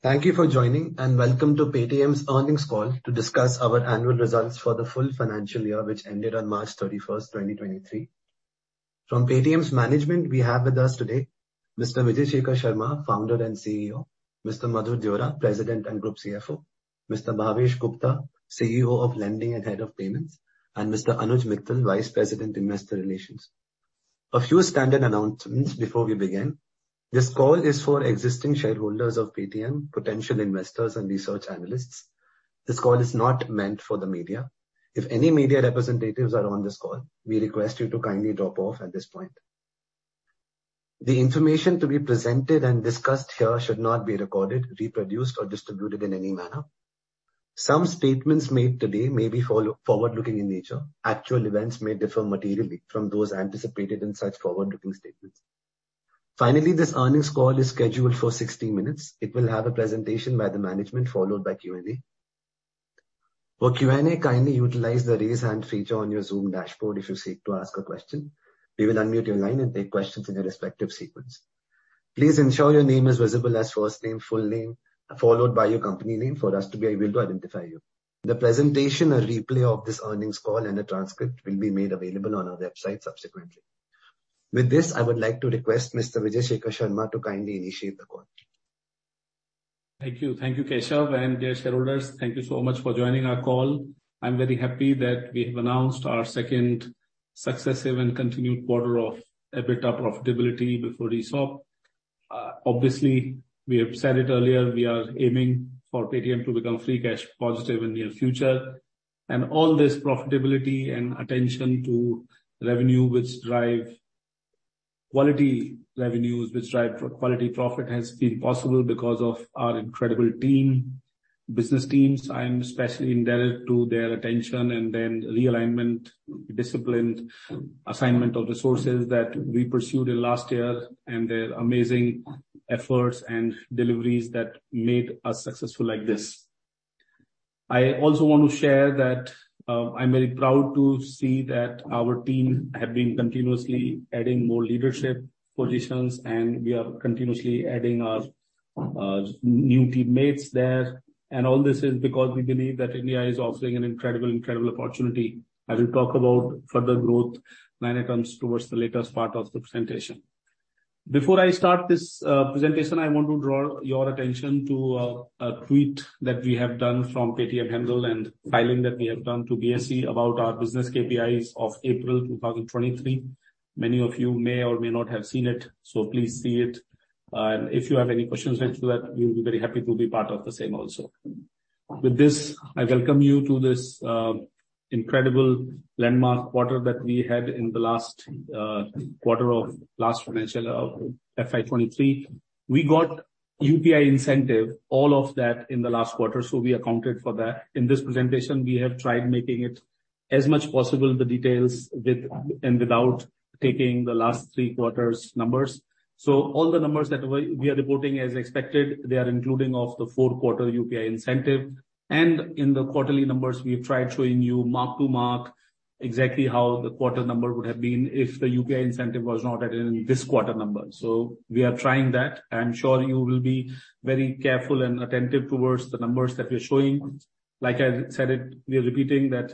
Thank you for joining, and welcome to Paytm's management, we have with us today Mr. Vijay Shekhar Sharma, founder and CEO, Mr. Madhur Deora, president and group CFO, Mr. Bhavesh Gupta, CEO of Lending and Head of Payments, and Mr. Anuj Mittal, Vice President, Investor Relations. A few standard announcements before we begin. This call is for existing shareholders of Paytm, potential investors and research analysts. This call is not meant for the media. If any media representatives are on this call, we request you to kindly drop off at this point. The information to be presented and discussed here should not be recorded, reproduced, or distributed in any manner. Some statements made today may be forward-looking in nature. Actual events may differ materially from those anticipated in such forward-looking statements. Finally, this earnings call is scheduled for 60 minutes. It will have a presentation by the management followed by Q&A. For Q&A, kindly utilize the Raise Hand feature on your Zoom dashboard if you seek to ask a question. We will unmute your line and take questions in their respective sequence. Please ensure your name is visible as first name, full name, followed by your company name for us to be able to identify you. The presentation and replay of this earnings call and a transcript will be made available on our website subsequently. With this, I would like to request Mr. Vijay Shekhar Sharma to kindly initiate the call. Thank you. Thank you, Keshav. Dear shareholders, thank you so much for joining our call. I'm very happy that we have announced our second successive and continued quarter of EBITDA profitability before ESOP. Obviously, we have said it earlier, we are aiming for Paytm to become free cash positive in near future. All this profitability and attention to revenue which drive quality revenues, which drive quality profit, has been possible because of our incredible team, business teams. I'm especially indebted to their attention and then realignment, disciplined assignment of resources that we pursued in last year, and their amazing efforts and deliveries that made us successful like this. I also want to share that, I'm very proud to see that our team have been continuously adding more leadership positions and we are continuously adding new teammates there. All this is because we believe that India is offering an incredible opportunity as we talk about further growth when it comes towards the latest part of the presentation. Before I start this presentation, I want to draw your attention to a tweet that we have done from Paytm handle and filing that we have done to BSE about our business KPIs of April 2023. Many of you may or may not have seen it, so please see it. If you have any questions related to that, we'll be very happy to be part of the same also. With this, I welcome you to this incredible landmark quarter that we had in the last quarter of last financial FY 2023. We got UPI incentive, all of that in the last quarter, so we accounted for that. In this presentation, we have tried making it as much possible the details with and without taking the last three quarters' numbers. All the numbers that we are reporting as expected, they are including of the fourth quarter UPI incentive. In the quarterly numbers, we've tried showing you mark to mark exactly how the quarter number would have been if the UPI incentive was not added in this quarter number. We are trying that. I'm sure you will be very careful and attentive towards the numbers that we're showing. Like I said it, we are repeating that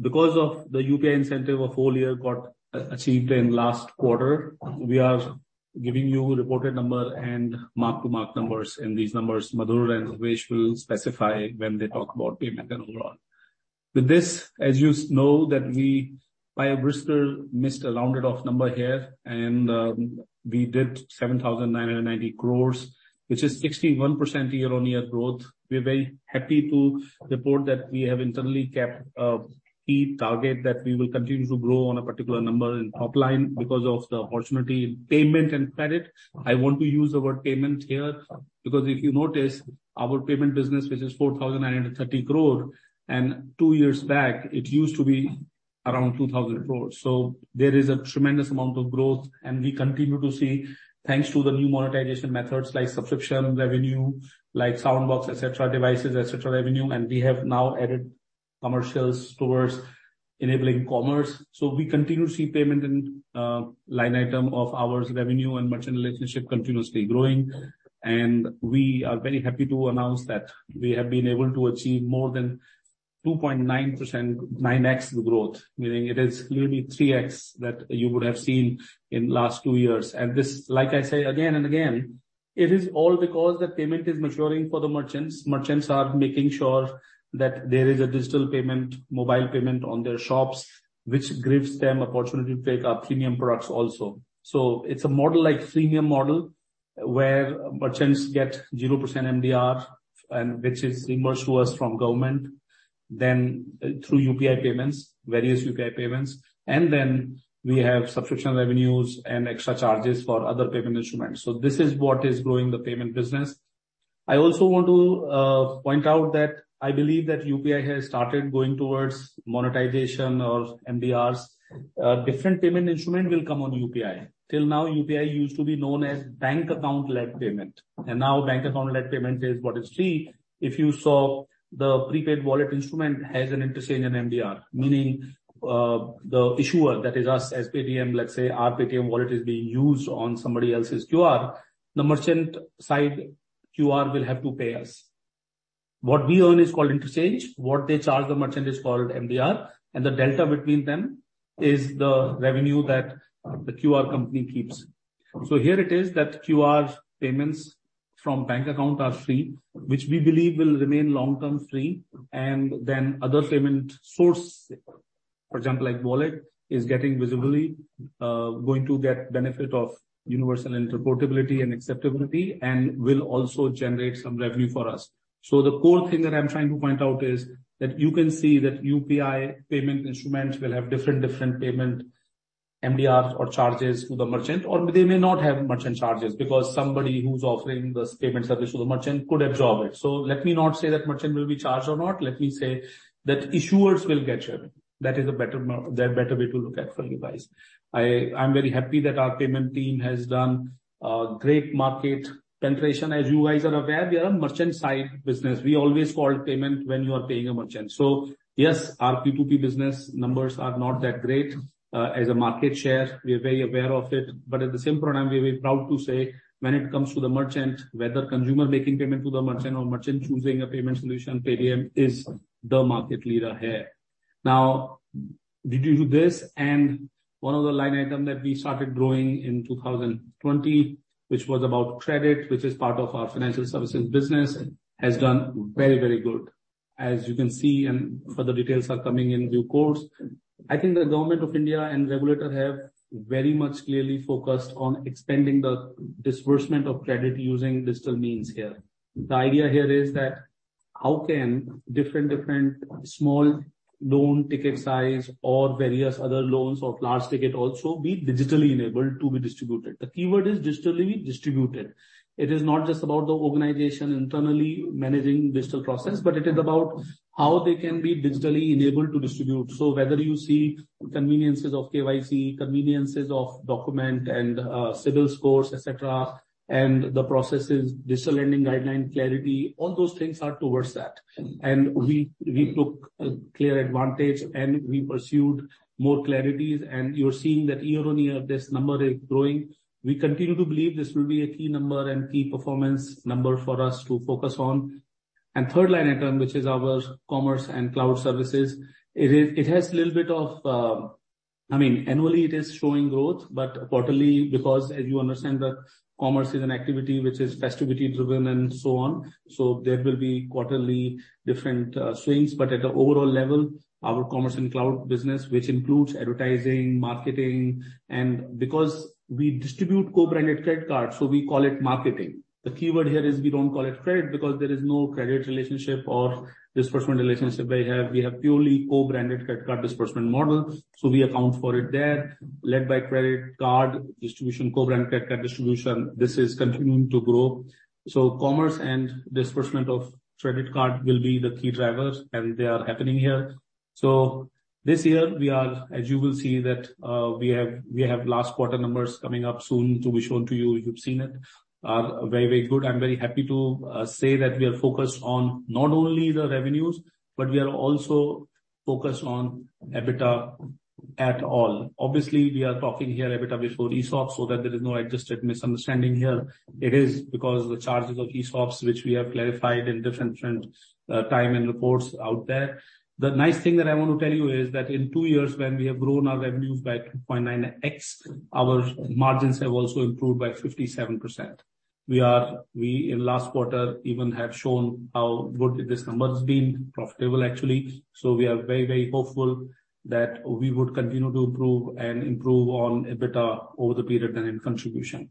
because of the UPI incentive of whole year got achieved in last quarter, we are giving you reported number and mark to mark numbers. These numbers, Madhur and Bhavesh will specify when they talk about payment and overall. With this, as you know that we, by a whisker, missed a rounded off number here and we did 7,990 crore, which is 61% year-on-year growth. We're very happy to report that we have internally kept a key target that we will continue to grow on a particular number in top line because of the opportunity in payment and credit. I want to use the word payment here because if you notice our payment business, which is 4,930 crore. Two years back it used to be around 2,000 crore. There is a tremendous amount of growth, and we continue to see thanks to the new monetization methods like subscription revenue, like Soundbox, et cetera, devices, et cetera, revenue. We have now added commercials towards enabling commerce. We continue to see payment in line item of our revenue and merchant relationship continuously growing. We are very happy to announce that we have been able to achieve more than 2.9% 9x growth. Meaning it is nearly 3x that you would have seen in last 2 years. This, like I say again and again, it is all because the payment is maturing for the merchants. Merchants are making sure that there is a digital payment, mobile payment on their shops, which gives them opportunity to take our premium products also. It's a model like freemium model, where merchants get 0% MDR and which is reimbursed to us from government, then through UPI payments, various UPI payments. We have subscription revenues and extra charges for other payment instruments. This is what is growing the payment business. I also want to point out that I believe that UPI has started going towards monetization or MDRs. Different payment instrument will come on UPI. Till now, UPI used to be known as bank account-led payment, and now bank account-led payment is what is free. If you saw the prepaid Wallet instrument has an interchange in MDR. Meaning, the issuer, that is us as Paytm, let's say our Paytm Wallet is being used on somebody else's QR. The merchant side QR will have to pay us. What we earn is called interchange. What they charge the merchant is called MDR. The delta between them is the revenue that the QR company keeps. Here it is that QR payments from bank account are free, which we believe will remain long-term free. Other payment source, for example, like wallet, is getting visibly going to get benefit of universal interoperability and acceptability and will also generate some revenue for us. The core thing that I'm trying to point out is that you can see that UPI payment instruments will have different payment MDRs or charges to the merchant, or they may not have merchant charges because somebody who's offering this payment service to the merchant could absorb it. Let me not say that merchant will be charged or not. Let me say that issuers will get charged. That is the better way to look at for you guys. I'm very happy that our payment team has done great market penetration. As you guys are aware, we are a merchant side business. We always call payment when you are paying a merchant. Yes, our P2P business numbers are not that great as a market share. We are very aware of it. At the same time, we are very proud to say when it comes to the merchant, whether consumer making payment to the merchant or merchant choosing a payment solution, Paytm is the market leader here. Due to this and one of the line item that we started growing in 2020, which was about credit, which is part of our financial services business, has done very, very good. As you can see and further details are coming in due course. I think the government of India and regulator have very much clearly focused on expanding the disbursement of credit using digital means here. The idea here is that how can different small loan ticket size or various other loans or large ticket also be digitally enabled to be distributed. The keyword is digitally distributed. It is not just about the organization internally managing digital process, but it is about how they can be digitally enabled to distribute. Whether you see conveniences of KYC, conveniences of document and civil scores, et cetera, and the processes, Digital Lending Guideline clarity, all those things are towards that. We took a clear advantage, and we pursued more clarities. You're seeing that year-on-year this number is growing. We continue to believe this will be a key number and key performance number for us to focus on. Third line item, which is our commerce and cloud services. It has little bit of, I mean, annually it is showing growth, but quarterly because as you understand that commerce is an activity which is festivity driven and so on. There will be quarterly different swings. At an overall level, our commerce and cloud business, which includes advertising, marketing, and because we distribute co-branded credit cards, We call it marketing. The keyword here is we don't call it credit because there is no credit relationship or disbursement relationship they have. We have purely co-branded credit card disbursement model. We account for it there. Led by credit card distribution, co-branded credit card distribution. This is continuing to grow. Commerce and disbursement of credit card will be the key drivers, and they are happening here. This year we are, as you will see that, we have last quarter numbers coming up soon to be shown to you. You've seen it. Very, very good. I'm very happy to say that we are focused on not only the revenues, but we are also focused on EBITDA at all. Obviously, we are talking here EBITDA before ESOPs, so that there is no adjusted misunderstanding here. It is because the charges of ESOPs which we have clarified in different time and reports out there. The nice thing that I want to tell you is that in two years, when we have grown our revenues by 2.9x, our margins have also improved by 57%. We in last quarter even have shown how good this number has been. Profitable actually. We are very, very hopeful that we would continue to improve and improve on EBITDA over the period and in contribution.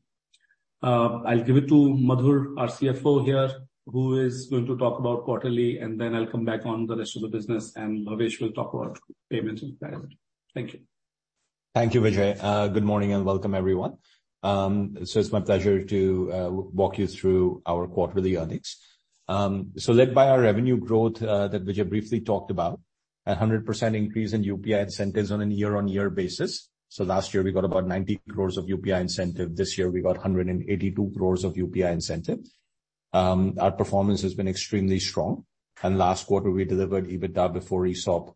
I'll give it to Madhur, our CFO here, who is going to talk about quarterly, and then I'll come back on the rest of the business, and Bhavesh will talk about payments and credit. Thank you. Thank you, Vijay. Good morning and welcome everyone. It's my pleasure to walk you through our quarterly earnings. Led by our revenue growth that Vijay briefly talked about, a 100% increase in UPI incentives on an year-on-year basis. Last year we got about 90 crores of UPI incentive. This year we got 182 crores of UPI incentive. Our performance has been extremely strong. Last quarter we delivered EBITDA before ESOP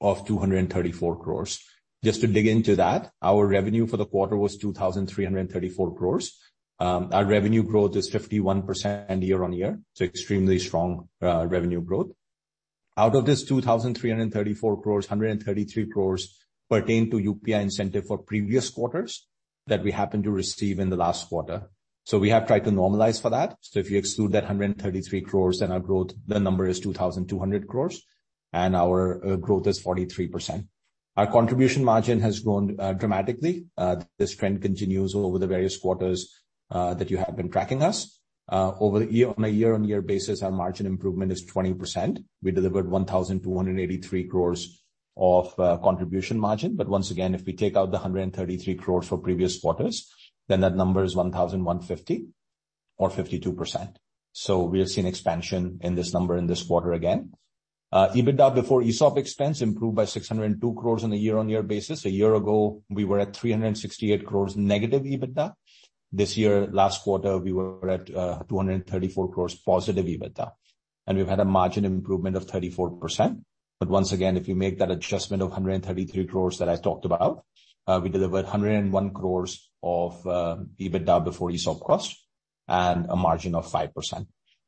of 234 crores. Just to dig into that, our revenue for the quarter was 2,334 crores. Our revenue growth is 51% year-on-year, extremely strong revenue growth. Out of this 2,334 crores, 133 crores pertain to UPI incentive for previous quarters that we happened to receive in the last quarter. We have tried to normalize for that. If you exclude that 133 crores, then our growth, the number is 2,200 crores, and our growth is 43%. Our contribution margin has grown dramatically. This trend continues over the various quarters that you have been tracking us. Over year, on a year-on-year basis, our margin improvement is 20%. We delivered 1,283 crores of contribution margin. Once again, if we take out the 133 crores for previous quarters, then that number is 1,150 or 52%. We have seen expansion in this number in this quarter again. EBITDA before ESOP expense improved by 602 crores on a year-on-year basis. A year ago, we were at 368 crores negative EBITDA. This year, last quarter, we were at 234 crores positive EBITDA, and we've had a margin improvement of 34%. Once again, if you make that adjustment of 133 crores that I talked about, we delivered 101 crores of EBITDA before ESOP cost and a margin of 5%.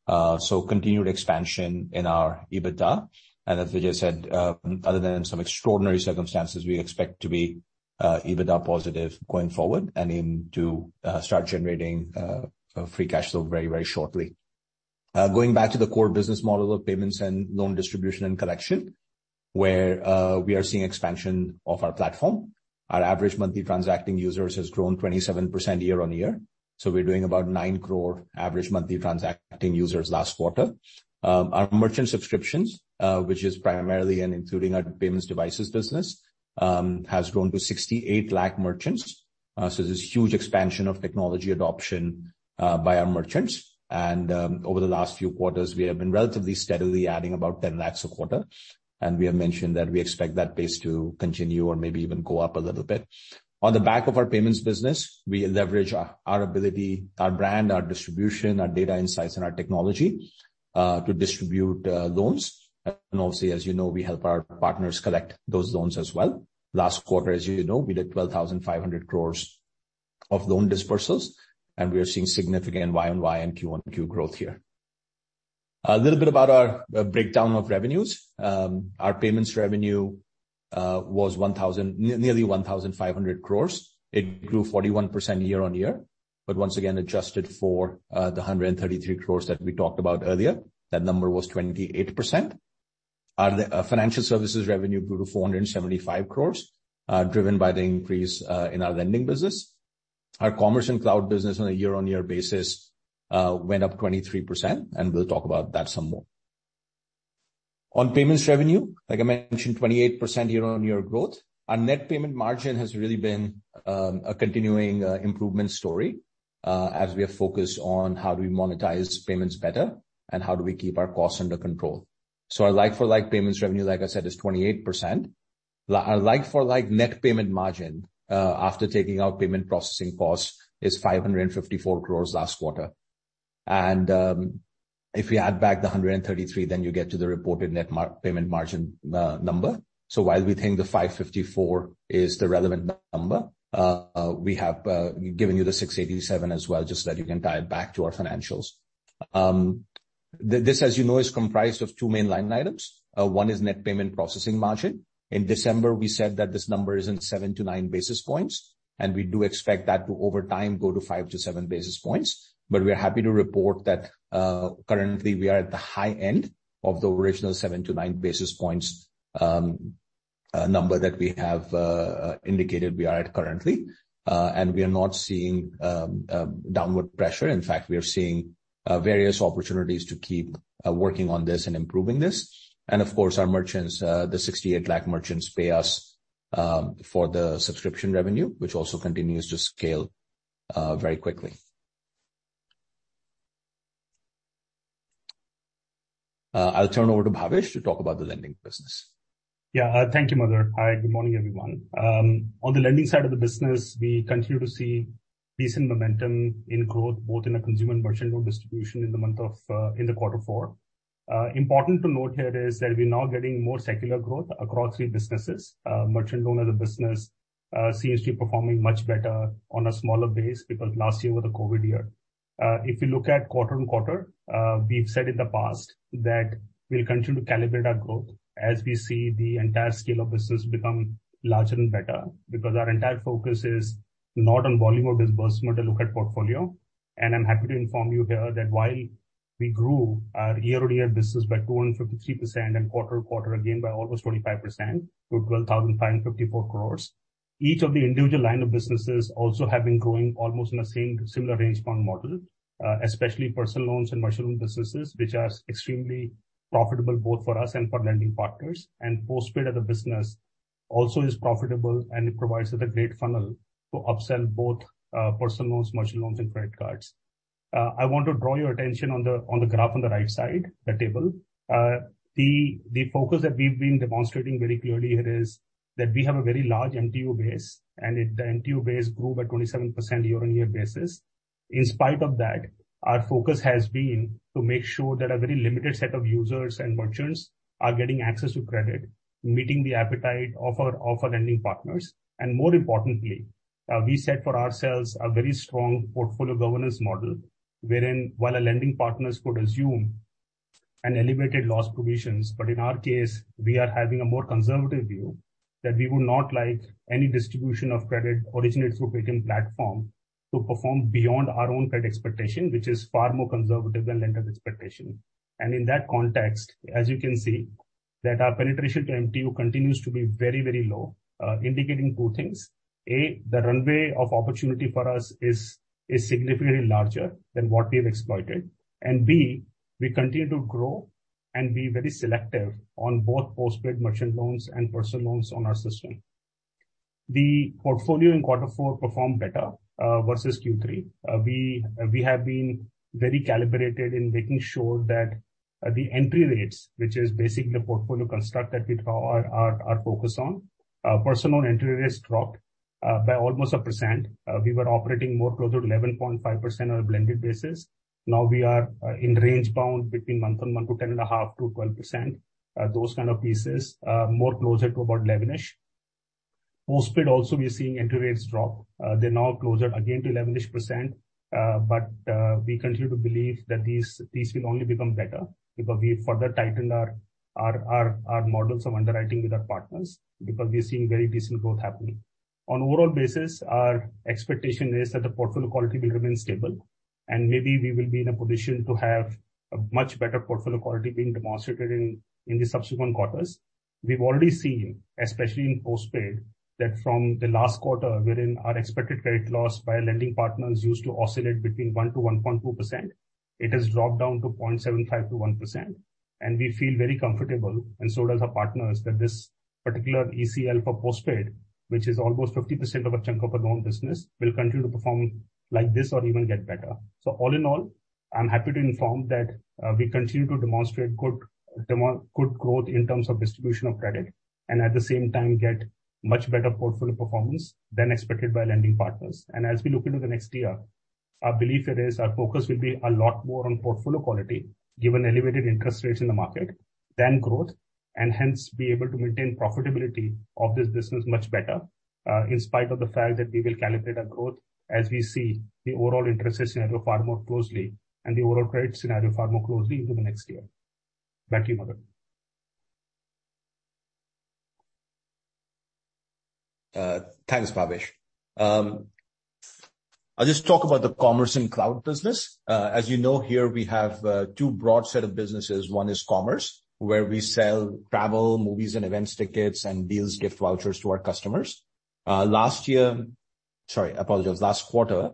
Continued expansion in our EBITDA. As Vijay said, other than in some extraordinary circumstances, we expect to be EBITDA positive going forward and aim to start generating free cash flow very, very shortly. Going back to the core business model of payments and loan distribution and collection, where we are seeing expansion of our platform. Our average monthly transacting users has grown 27% year-on-year, so we're doing about 9 crore average monthly transacting users last quarter. Our merchant subscriptions, which is primarily and including our payments devices business, has grown to 68 lakh merchants. So there's huge expansion of technology adoption by our merchants. Over the last few quarters, we have been relatively steadily adding about 10 lakh a quarter. We have mentioned that we expect that pace to continue or maybe even go up a little bit. On the back of our payments business, we leverage our ability, our brand, our distribution, our data insights and our technology, to distribute loans. Obviously, as you know, we help our partners collect those loans as well. Last quarter, as you know, we did 12,500 crore of loan dispersals, and we are seeing significant year-on-year and quarter-on-quarter growth here. A little bit about our breakdown of revenues. Our payments revenue was nearly 1,500 crore. It grew 41% year-on-year. Once again, adjusted for the 133 crore that we talked about earlier, that number was 28%. Our financial services revenue grew to 475 crore, driven by the increase in our lending business. Our commerce and cloud business on a year-on-year basis went up 23%, and we'll talk about that some more. On payments revenue, like I mentioned, 28% year-on-year growth. Our net payment margin has really been a continuing improvement story as we are focused on how do we monetize payments better and how do we keep our costs under control. Our like-for-like payments revenue, like I said, is 28%. Our like-for-like net payment margin, after taking out payment processing costs, is 554 crore last quarter. If we add back the 133, then you get to the reported net payment margin number. While we think the 554 is the relevant number, we have given you the 687 as well, just so that you can tie it back to our financials. This, as you know, is comprised of two main line items. One is net payment processing margin. In December, we said that this number is in 7 to 9 basis points. We do expect that to, over time, go to 5 to 7 basis points. We're happy to report that currently we are at the high end of the original 7 to 9 basis points number that we have indicated we are at currently. We are not seeing downward pressure. In fact, we are seeing various opportunities to keep working on this and improving this. Of course, our merchants, the 68 lakh merchants pay us for the subscription revenue, which also continues to scale very quickly. I'll turn over to Bhavesh to talk about the lending business. Yeah. Thank you, Madhur. Hi, good morning, everyone. On the lending side of the business, we continue to see decent momentum in growth, both in the consumer and merchant loan distribution in the month of, in the quarter four. Important to note here is that we're now getting more secular growth across three businesses. Merchant loan as a business seems to be performing much better on a smaller base because last year was a COVID year. If you look at quarter-on-quarter, we've said in the past that we'll continue to calibrate our growth as we see the entire scale of business become larger and better, because our entire focus is not on volume of disbursement and look at portfolio. I'm happy to inform you here that while we grew our year-on-year business by 2.53% and quarter-to-quarter again by almost 25% to 12,554 crores, each of the individual line of businesses also have been growing almost in the same similar range point model, especially personal loans and merchant loan businesses, which are extremely profitable both for us and for lending partners. Paytm Postpaid as a business also is profitable, and it provides us a great funnel to upsell both personal loans, merchant loans and credit cards. I want to draw your attention on the, on the graph on the right side, the table. The, the focus that we've been demonstrating very clearly here is that we have a very large MTU base, and it, the MTU base grew by 27% year-on-year basis. In spite of that, our focus has been to make sure that a very limited set of users and merchants are getting access to credit, meeting the appetite of our lending partners. More importantly, we set for ourselves a very strong portfolio governance model wherein while our lending partners could assume an elevated loss provisions, but in our case, we are having a more conservative view that we would not like any distribution of credit originated through Paytm platform to perform beyond our own credit expectation, which is far more conservative than lender's expectation. In that context, as you can see, that our penetration to MTU continues to be very, very low, indicating two things. A, the runway of opportunity for us is significantly larger than what we have exploited. B, we continue to grow and be very selective on both postpaid merchant loans and personal loans on our system. The portfolio in quarter four performed better versus Q3. We have been very calibrated in making sure that the entry rates, which is basically the portfolio construct that we are focused on. Personal entry rates dropped by almost 1%. We were operating more closer to 11.5% on a blended basis. Now we are in range bound between month-on-month to 10.5%-12%. Those kind of pieces, more closer to about 11-ish. Postpaid also we are seeing entry rates drop. They're now closer again to 11-ish%. We continue to believe that these will only become better because we further tightened our models of underwriting with our partners because we are seeing very decent growth happening. On overall basis, our expectation is that the portfolio quality will remain stable and maybe we will be in a position to have a much better portfolio quality being demonstrated in the subsequent quarters. We've already seen, especially in postpaid, that from the last quarter wherein our expected credit loss by lending partners used to oscillate between 1%-1.2%. It has dropped down to 0.75%-1%. We feel very comfortable and so does our partners, that this particular ECL for postpaid, which is almost 50% of a chunk of our loan business, will continue to perform like this or even get better. All in all, I'm happy to inform that we continue to demonstrate good growth in terms of distribution of credit and at the same time get much better portfolio performance than expected by lending partners. As we look into the next year, our belief it is our focus will be a lot more on portfolio quality, given elevated interest rates in the market than growth, and hence be able to maintain profitability of this business much better, in spite of the fact that we will calibrate our growth as we see the overall interest rate scenario far more closely and the overall credit scenario far more closely into the next year. Back to you, Madhur. Thanks, Bhavesh. I'll just talk about the commerce and cloud business. As you know here, we have two broad set of businesses. One is commerce, where we sell travel, movies and events tickets and deals gift vouchers to our customers. Sorry, I apologize. Last quarter,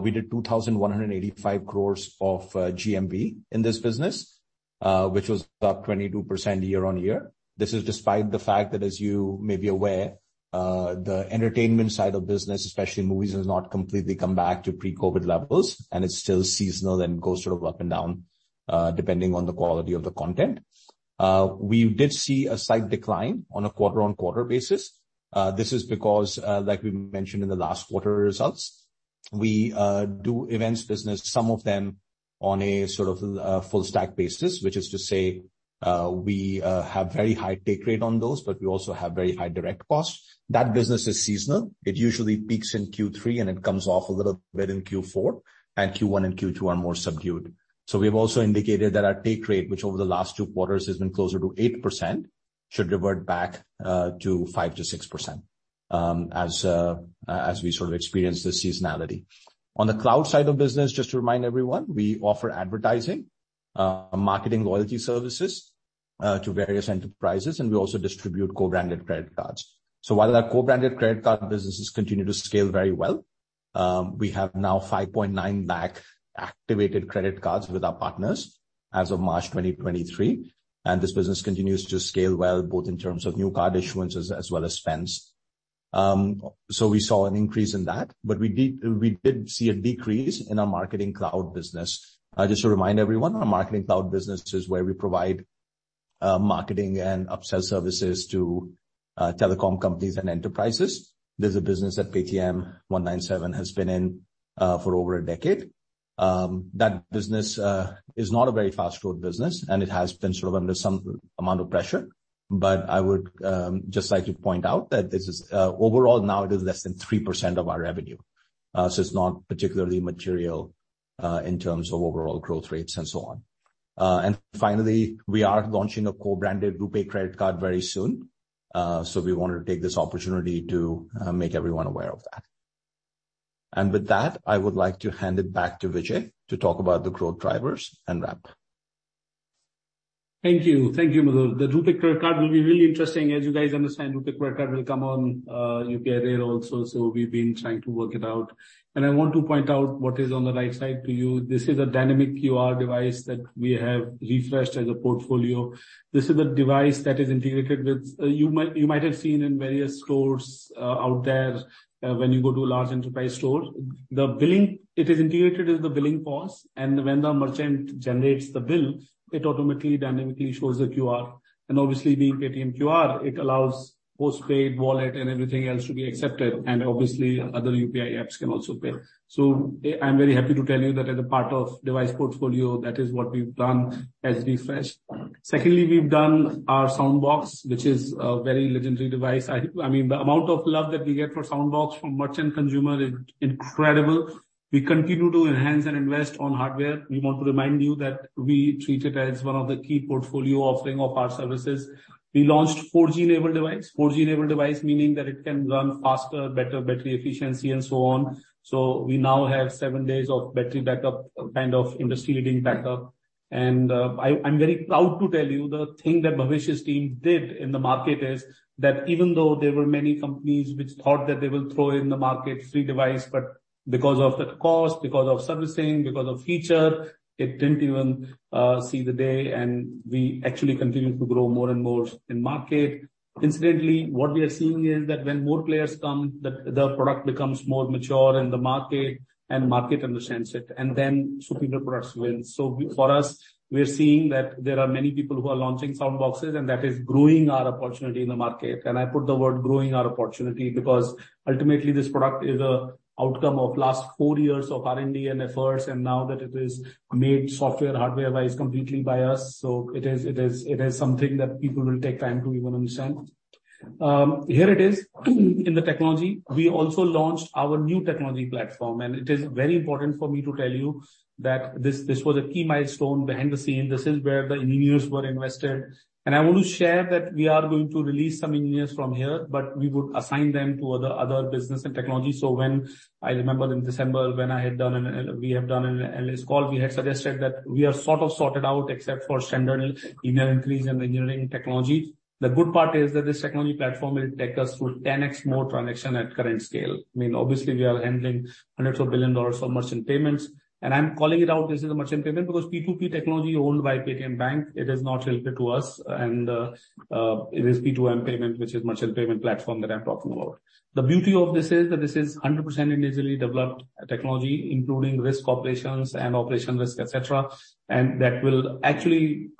we did 2,185 crores of GMV in this business, which was up 22% year-on-year. This is despite the fact that as you may be aware, the entertainment side of business, especially movies, has not completely come back to pre-COVID levels, and it's still seasonal and goes sort of up and down, depending on the quality of the content. We did see a slight decline on a quarter-on-quarter basis. This is because, like we mentioned in the last quarter results, we do events business, some of them on a sort of full stack basis, which is to say, we have very high take rate on those, but we also have very high direct costs. That business is seasonal. It usually peaks in Q3 and it comes off a little bit in Q4 and Q1 and Q2 are more subdued. We've also indicated that our take rate, which over the last two quarters has been closer to 8%, should revert back to 5%-6% as we sort of experience the seasonality. On the cloud side of business just to remind everyone, we offer advertising, marketing loyalty services to various enterprises, and we also distribute co-branded credit cards. While our co-branded credit card businesses continue to scale very well, we have now 5.9 lakh activated credit cards with our partners as of March 2023, and this business continues to scale well, both in terms of new card issuance as well as spends. We saw an increase in that, but we did see a decrease in our marketing cloud business. Just to remind everyone, our marketing cloud business is where we provide marketing and upsell services to telecom companies and enterprises. This is a business that Paytm One97 has been in for over a decade. That business is not a very fast growth business, and it has been sort of under some amount of pressure. I would just like to point out that this is overall now it is less than 3% of our revenue. It's not particularly material in terms of overall growth rates and so on. Finally, we are launching a co-branded RuPay credit card very soon. We wanted to take this opportunity to make everyone aware of that. With that, I would like to hand it back to Vijay to talk about the growth drivers and wrap. Thank you. Thank you, Madhur. The RuPay credit card will be really interesting. As you guys understand, RuPay credit card will come on UPI rail also. We've been trying to work it out. I want to point out what is on the right side to you. This is a dynamic QR device that we have refreshed as a portfolio. This is a device that is integrated with you might have seen in various stores out there when you go to a large enterprise store. The billing, it is integrated with the billing force. When the merchant generates the bill, it automatically, dynamically shows the QR. Obviously being Paytm QR, it allows Postpaid, Wallet and everything else to be accepted and obviously other UPI apps can also pay. I'm very happy to tell you that as a part of device portfolio, that is what we've done as refresh. Secondly, we've done our Soundbox, which is a very legendary device. I mean, the amount of love that we get for Soundbox from merchant consumer is incredible. We continue to enhance and invest on hardware. We want to remind you that we treat it as one of the key portfolio offering of our services. We launched 4G-enabled device. 4G-enabled device, meaning that it can run faster, better battery efficiency and so on. We now have seven days of battery backup, kind of industry leading backup. I'm very proud to tell you the thing that Bhavesh's team did in the market is that even though there were many companies which thought that they will throw in the market free device, but because of the cost, because of servicing, because of feature, it didn't even see the day and we actually continue to grow more and more in market. Incidentally, what we are seeing is that when more players come, the product becomes more mature in the market and market understands it, and then superior products win. For us, we're seeing that there are many people who are launching Soundboxes and that is growing our opportunity in the market. I put the word growing our opportunity because ultimately this product is an outcome of last four years of R&D and efforts and now that it is made software, hardware-wise completely by us, so it is something that people will take time to even understand. Here it is in the technology. We also launched our new technology platform. It is very important for me to tell you that this was a key milestone behind the scene. This is where the engineers were invested. I want to share that we are going to release some engineers from here, but we would assign them to other business and technology. I remember in December when we have done an analyst call, we had suggested that we are sort of sorted out except for standard engineering increase and engineering technology. The good part is that this technology platform will take us to 10x more transaction at current scale. I mean, obviously we are handling hundreds of billion dollars of merchant payments. I'm calling it out this is a merchant payment because P2P technology owned by Paytm Bank, it is not related to us and it is P2M payment which is merchant payment platform that I'm talking about. The beauty of this is that this is 100% in-house developed technology, including risk operations and operation risk, et cetera. That will actually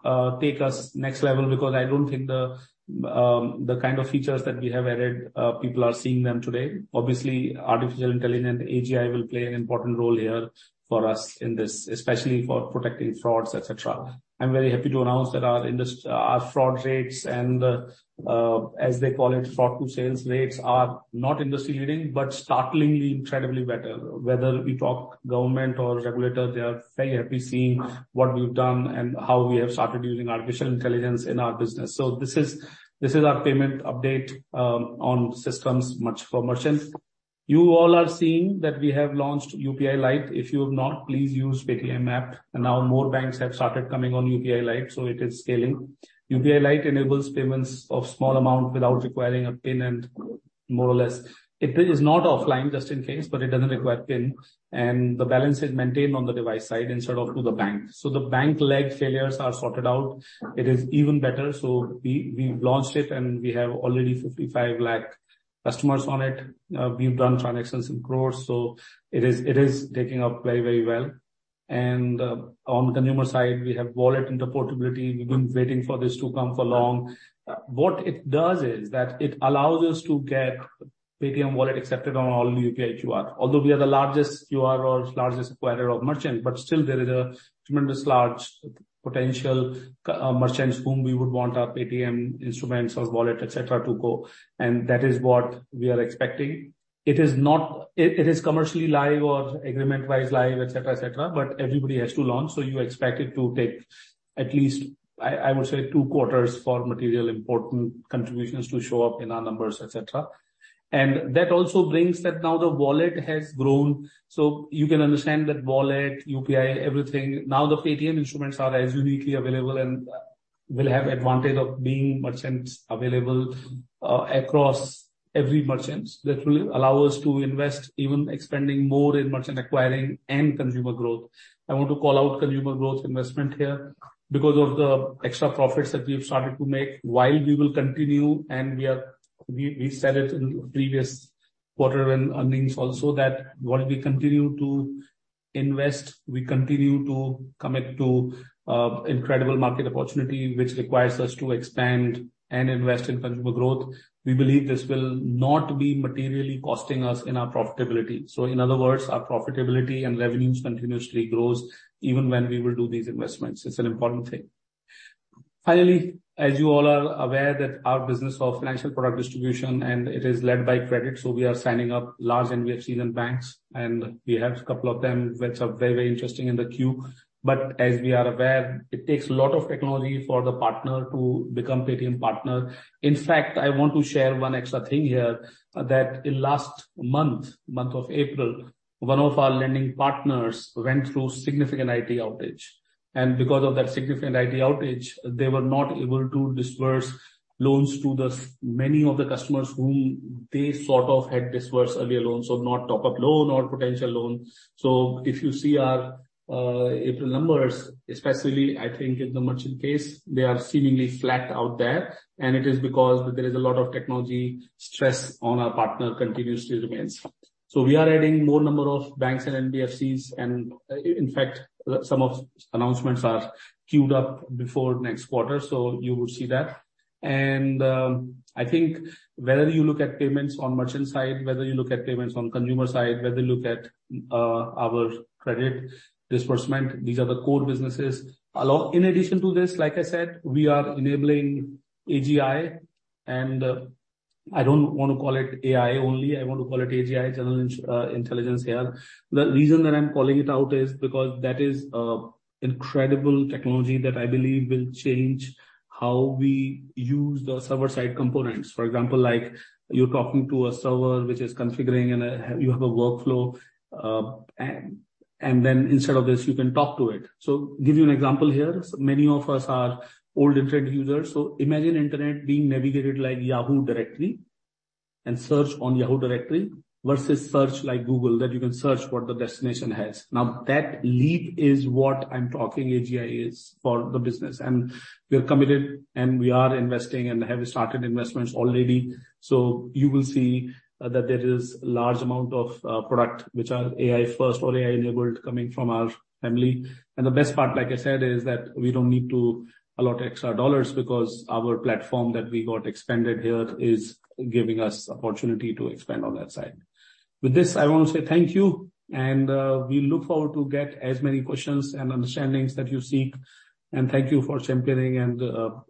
take us next level because I don't think the kind of features that we have added, people are seeing them today. Obviously, artificial intelligence, AGI will play an important role here for us in this, especially for protecting frauds, et cetera. I'm very happy to announce that our fraud rates and, as they call it, fraud to sales rates are not industry leading, but startlingly incredibly better. Whether we talk government or regulators, they are very happy seeing what we've done and how we have started using artificial intelligence in our business. This is our payment update on systems much for merchants. You all are seeing that we have launched UPI Lite. If you have not, please use Paytm app. Now more banks have started coming on UPI Lite, so it is scaling. UPI Lite enables payments of small amount without requiring a PIN and more or less. It is not offline, just in case, but it doesn't require PIN, and the balance is maintained on the device side instead of to the bank. The bank leg failures are sorted out. It is even better. We've launched it and we have already 55 lakh customers on it. We've done transactions in crores, so it is taking up very, very well. On the consumer side, we have Wallet interoperability. We've been waiting for this to come for long. What it does is that it allows us to get Paytm Wallet accepted on all UPI QR. Although we are the largest QR or largest acquirer of merchant, but still there is a tremendous large potential merchants whom we would want our Paytm instruments or Wallet, et cetera, to go. That is what we are expecting. It is commercially live or agreement-wise live, et cetera, et cetera, but everybody has to launch, so you expect it to take at least, I would say two quarters for material important contributions to show up in our numbers, et cetera. That also brings that now the Wallet has grown, so you can understand that Wallet, UPI, everything. Now the Paytm instruments are as uniquely available and will have advantage of being merchants available across every merchants. That will allow us to invest even expanding more in merchant acquiring and consumer growth. I want to call out consumer growth investment here. Because of the extra profits that we have started to make, while we will continue, and we said it in previous quarter and earnings also that while we continue to invest, we continue to commit to incredible market opportunity which requires us to expand and invest in consumer growth. We believe this will not be materially costing us in our profitability. In other words, our profitability and revenues continuously grows even when we will do these investments. It's an important thing. Finally, as you all are aware that our business of financial product distribution, and it is led by credit, we are signing up large NBFCs and banks, and we have a couple of them which are very, very interesting in the queue. As we are aware, it takes a lot of technology for the partner to become Paytm partner. In fact, I want to share one extra thing here, that in last month of April, one of our lending partners went through significant IT outage. Because of that significant IT outage, they were not able to disperse loans to many of the customers whom they sort of had dispersed earlier loans. Not top-up loan or potential loans. If you see our April numbers, especially I think in the merchant case, they are seemingly flat out there. It is because there is a lot of technology stress on our partner continuously remains. We are adding more number of banks and NBFCs and in fact, some of announcements are queued up before next quarter. You will see that. I think whether you look at payments on merchant side, whether you look at payments on consumer side, whether you look at our credit disbursement, these are the core businesses. In addition to this, like I said, we are enabling AGI and I don't wanna call it AI only, I want to call it AGI, general intelligence here. The reason that I'm calling it out is because that is a incredible technology that I believe will change how we use the server-side components. For example, like you're talking to a server which is configuring and you have a workflow and Instead of this, you can talk to it. Give you an example here. Many of us are old internet users. Imagine internet being navigated like Yahoo directory and search on Yahoo directory versus search like Google that you can search what the destination has. That leap is what I'm talking AGI is for the business. We are committed, and we are investing, and have started investments already. You will see that there is large amount of product which are AI first or AI enabled coming from our family. The best part, like I said, is that we don't need to allot extra dollars because our platform that we got expanded here is giving us opportunity to expand on that side. With this, I want to say thank you, and we look forward to get as many questions and understandings that you seek. Thank you for championing.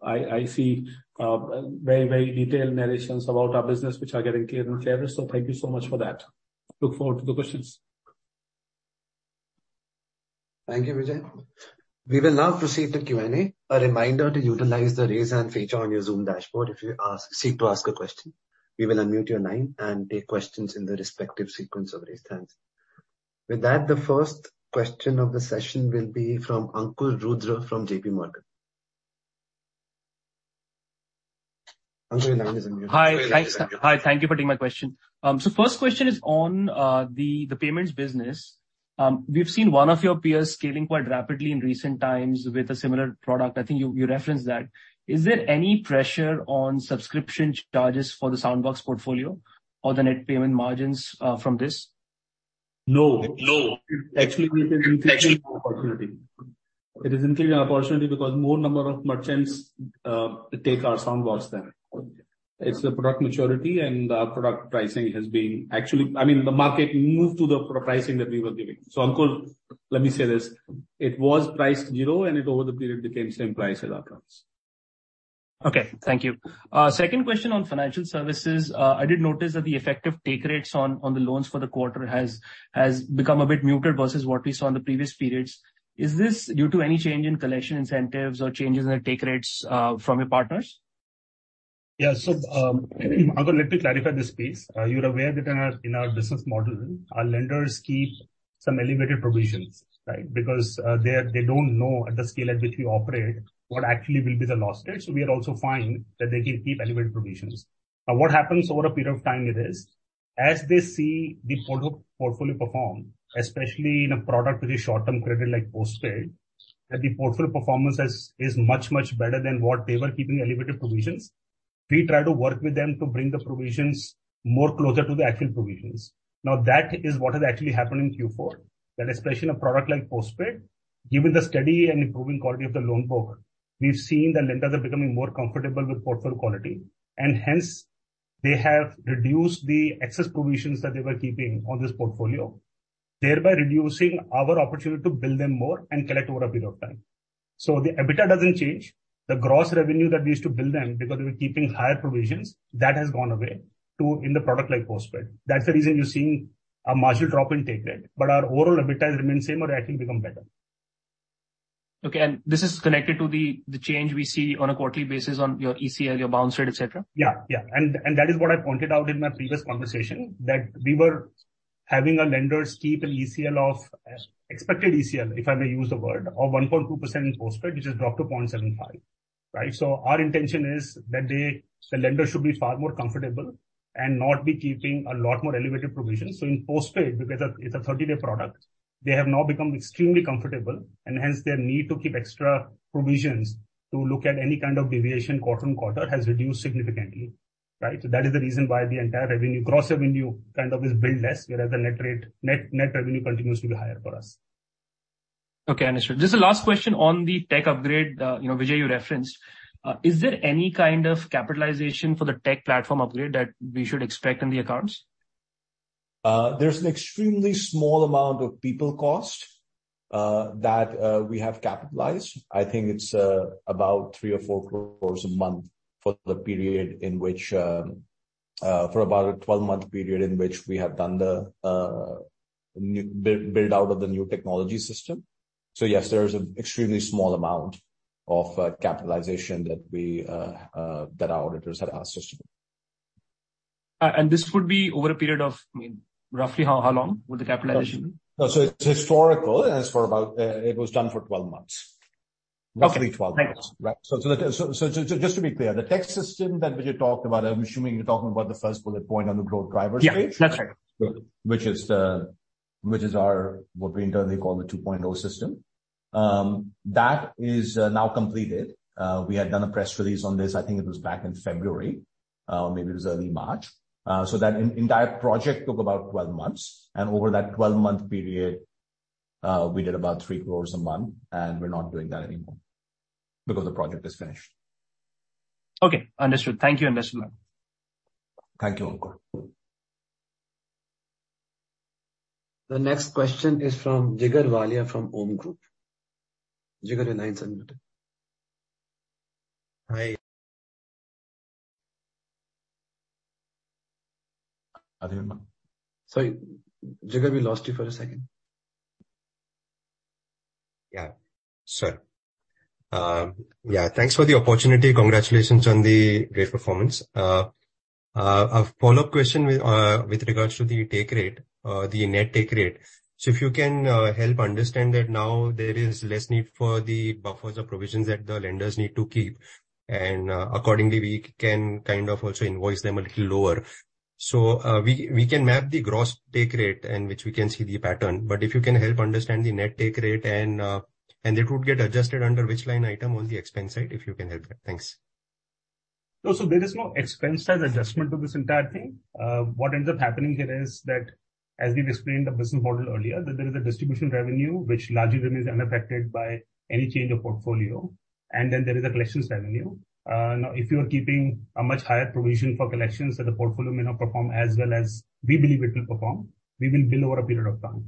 I see very, very detailed narrations about our business which are getting clearer and clearer. Thank you so much for that. Look forward to the questions. Thank you, Vijay. We will now proceed to Q&A. A reminder to utilize the Raise Hand feature on your Zoom dashboard if you seek to ask a question. We will unmute your line and take questions in the respective sequence of raise hands. With that, the first question of the session will be from Ankur Rudra from J.P. Morgan. Ankur, your line is unmuted. Hi. Thanks. Hi, thank you for taking my question. First question is on the payments business. We've seen one of your peers scaling quite rapidly in recent times with a similar product. I think you referenced that. Is there any pressure on subscription charges for the Soundbox portfolio or the net payment margins from this? No. No. Actually, it is increasing our opportunity. It is increasing our opportunity because more number of merchants take our Soundbox then. It's the product maturity and our product pricing. Actually, I mean, the market moved to the pricing that we were giving. Ankur, let me say this, it was priced zero and it over the period became same price as our comps. Okay. Thank you. Second question on financial services. I did notice that the effective take rates on the loans for the quarter has become a bit muted versus what we saw in the previous periods. Is this due to any change in collection incentives or changes in the take rates, from your partners? Yeah. Ankur, let me clarify this please. You're aware that in our business model, our lenders keep some elevated provisions, right? Because they don't know at the scale at which we operate what actually will be the loss rate. We are also fine that they can keep elevated provisions. What happens over a period of time it is, as they see the product portfolio perform, especially in a product with a short-term credit like Postpaid, that the portfolio performance is much, much better than what they were keeping elevated provisions. We try to work with them to bring the provisions more closer to the actual provisions. That is what has actually happened in Q4, that especially in a product like Postpaid, given the steady and improving quality of the loan book, we've seen the lenders are becoming more comfortable with portfolio quality, and hence they have reduced the excess provisions that they were keeping on this portfolio, thereby reducing our opportunity to bill them more and collect over a period of time. The EBITDA doesn't change. The gross revenue that we used to bill them because we were keeping higher provisions, that has gone away to in the product like Postpaid. That's the reason you're seeing a marginal drop in take rate. Our overall EBITDA has remained same or actually become better. Okay. This is connected to the change we see on a quarterly basis on your ECL, your bounce rate, et cetera? Yeah. Yeah. That is what I pointed out in my previous conversation, that we were having our lenders keep an ECL of, expected ECL, if I may use the word, of 1.2% in postpaid, which has dropped to 0.75%, right? Our intention is that the lenders should be far more comfortable and not be keeping a lot more elevated provisions. In postpaid, because it's a 30-day product, they have now become extremely comfortable, and hence their need to keep extra provisions to look at any kind of deviation quarter-on-quarter has reduced significantly, right? That is the reason why the entire revenue, gross revenue kind of is billed less, whereas the net rate, net revenue continues to be higher for us. Okay, understood. Just the last question on the tech upgrade, you know, Vijay, you referenced. Is there any kind of capitalization for the tech platform upgrade that we should expect in the accounts? There's an extremely small amount of people cost that we have capitalized. I think it's about 3 crore or 4 crore a month for the period in which for about a 12-month period in which we have done the build out of the new technology system. Yes, there is an extremely small amount of capitalization that we that our auditors had asked us to do. This would be over a period of, I mean, roughly how long would the capitalization be? No. It's historical, and it's for about, it was done for 12 months. Okay. Roughly 12 months. Thanks. Right. Just to be clear, the tech system that Vijay talked about, I'm assuming you're talking about the first bullet point on the growth drivers page. Yeah. That's right. Which is our, what we internally call the 2.0 system. That is now completed. We had done a press release on this, I think it was back in February, maybe it was early March. That entire project took about 12 months. Over that 12-month period, we did about 3 crores a month, and we're not doing that anymore because the project is finished. Okay. Understood. Thank you. Investment bank. Thank you, Ankur. The next question is from Jigar Valia from OHM Group. Jigar, your line is unmuted. Hi. Are you there, ma'am? Sorry, Jigar, we lost you for a second. Yeah. Sure. Thanks for the opportunity. Congratulations on the great performance. A follow-up question with regards to the take rate, the net take rate. If you can help understand that now there is less need for the buffers or provisions that the lenders need to keep and accordingly, we can kind of also invoice them a little lower. We can map the gross take rate and which we can see the pattern, but if you can help understand the net take rate and it would get adjusted under which line item on the expense side, if you can help that. Thanks. No. There is no expense side adjustment to this entire thing. What ends up happening here is that, as we've explained the business model earlier, that there is a distribution revenue which largely remains unaffected by any change of portfolio, and then there is a collections revenue. Now, if you are keeping a much higher provision for collections that the portfolio may not perform as well as we believe it will perform, we will bill over a period of time.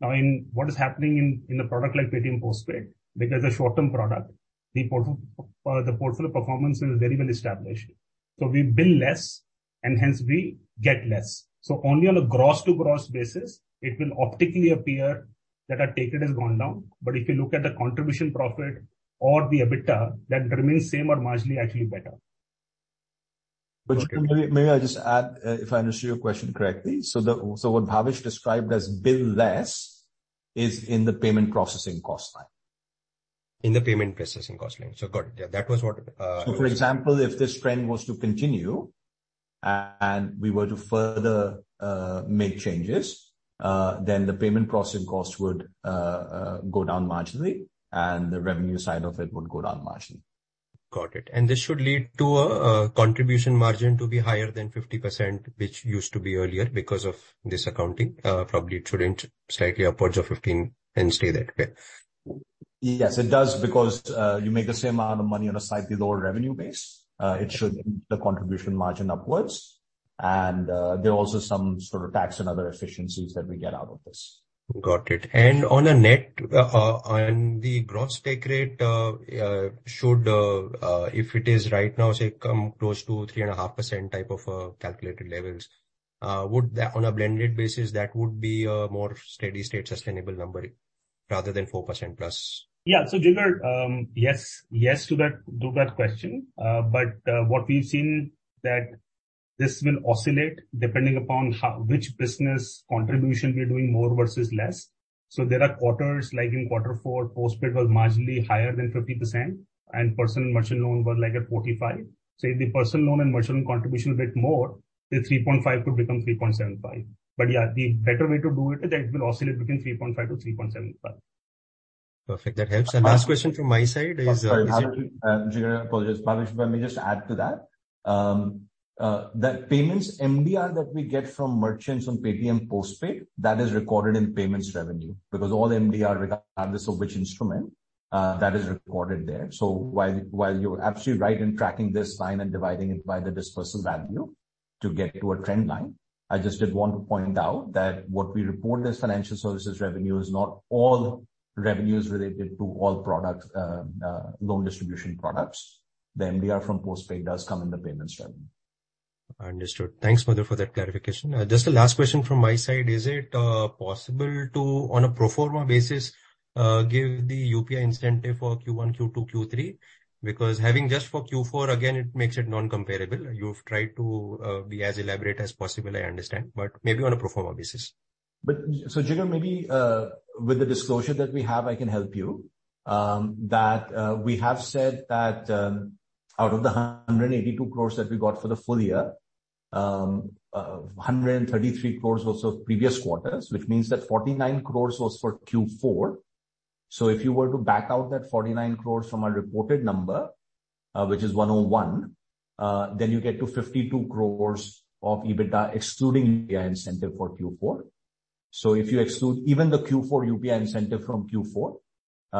Now, in what is happening in a product like Paytm Postpaid, because a short-term product, the portfolio performance is very well established. We bill less and hence we get less. Only on a gross-to-gross basis it will optically appear that our take rate has gone down. If you look at the contribution profit or the EBITDA, that remains same or marginally actually better. Okay. Maybe I'll just add, if I understood your question correctly. What Bhavesh described as bill less is in the payment processing cost line. In the payment processing cost line. Got it. Yeah. That was what. For example, if this trend was to continue and we were to further make changes, then the payment processing cost would go down marginally and the revenue side of it would go down marginally. Got it. This should lead to a contribution margin to be higher than 50%, which used to be earlier because of this accounting. Probably it should inch slightly upwards of 15 and stay there. Okay. Yes, it does because, you make the same amount of money on a slightly lower revenue base. It should move the contribution margin upwards. There are also some sort of tax and other efficiencies that we get out of this. Got it. On a net, on the gross take rate, should, if it is right now, say come close to 3.5% type of, calculated levels, on a blended basis, that would be a more steady state sustainable number rather than 4%+? Yeah. Jigar, yes to that, to that question. What we've seen that this will oscillate depending upon ho which business contribution we are doing more versus less. There are quarters like in quarter four, Paytm Postpaid was marginally higher than 50% and personal merchant loan was like at 45%. If the personal loan and merchant loan contribution a bit more, the 3.5 could become 3.75. Yeah, the better way to do it is that it will oscillate between 3.5-3.75. Perfect. That helps. Last question from my side is it- Sorry, Bhavesh. Jigar, I apologize. Bhavesh, may I just add to that payments MDR that we get from merchants on Paytm Postpaid, that is recorded in payments revenue because all MDR regardless of which instrument, that is recorded there. While you're absolutely right in tracking this line and dividing it by the dispersal value to get to a trend line, I just did want to point out that what we report as financial services revenue is not all revenues related to all products, loan distribution products. The MDR from Postpaid does come in the payments revenue. Understood. Thanks, Madhur, for that clarification. Just a last question from my side. Is it possible to, on a pro forma basis, give the UPI incentive for Q1, Q2, Q3? Because having just for Q4, again, it makes it non-comparable. You've tried to be as elaborate as possible, I understand, but maybe on a pro forma basis. Jigar, maybe, with the disclosure that we have, I can help you, that we have said that out of the 182 crores that we got for the full year, 133 crores was of previous quarters, which means that 49 crores was for Q4. If you were to back out that 49 crores from our reported number, which is 101, then you get to 52 crores of EBITDA excluding the incentive for Q4. If you exclude even the Q4 UPI incentive from Q4,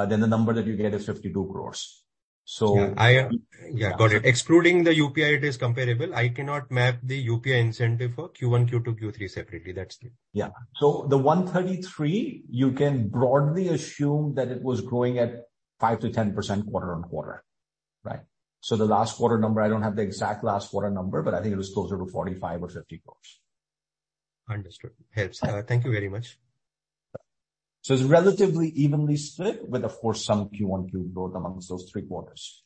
then the number that you get is 52 crores. Yeah. I, yeah. Got it. Excluding the UPI, it is comparable. I cannot map the UPI incentive for Q1, Q2, Q3 separately. That's clear. The 133, you can broadly assume that it was growing at 5%-10% quarter-on-quarter, right? The last quarter number, I don't have the exact last quarter number, but I think it was closer to 45 or 50 crores. Understood. Helps. Thank you very much. It's relatively evenly split, with of course some Q1 growth amongst those three quarters.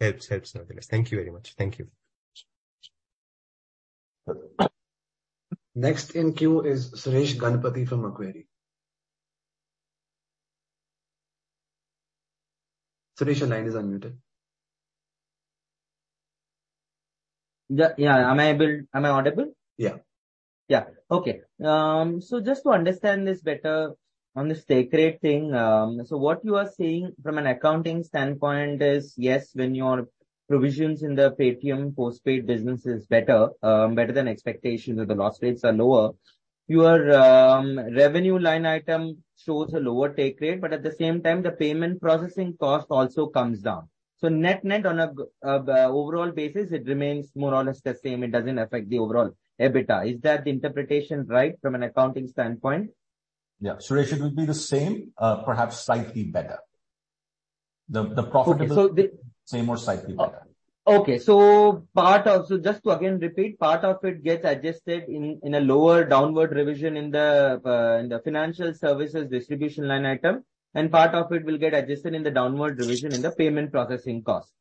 Helps nevertheless. Thank you very much. Thank you. Next in queue is Suresh Ganapathy from Equirus. Suresh, your line is unmuted. Yeah. Yeah. Am I audible? Yeah. Yeah. Okay. Just to understand this better on this take rate thing. What you are saying from an accounting standpoint is, yes, when your provisions in the Paytm Postpaid business is better than expectations or the loss rates are lower, your revenue line item shows a lower take rate, but at the same time, the payment processing cost also comes down. Net net on an overall basis, it remains more or less the same. It doesn't affect the overall EBITDA. Is that interpretation right from an accounting standpoint? Yeah. Suresh, it would be the same, perhaps slightly better. The profitable- Okay. Say more slightly better. Okay. Just to again repeat, part of it gets adjusted in a lower downward revision in the financial services distribution line item, and part of it will get adjusted in the downward revision in the payment processing cost.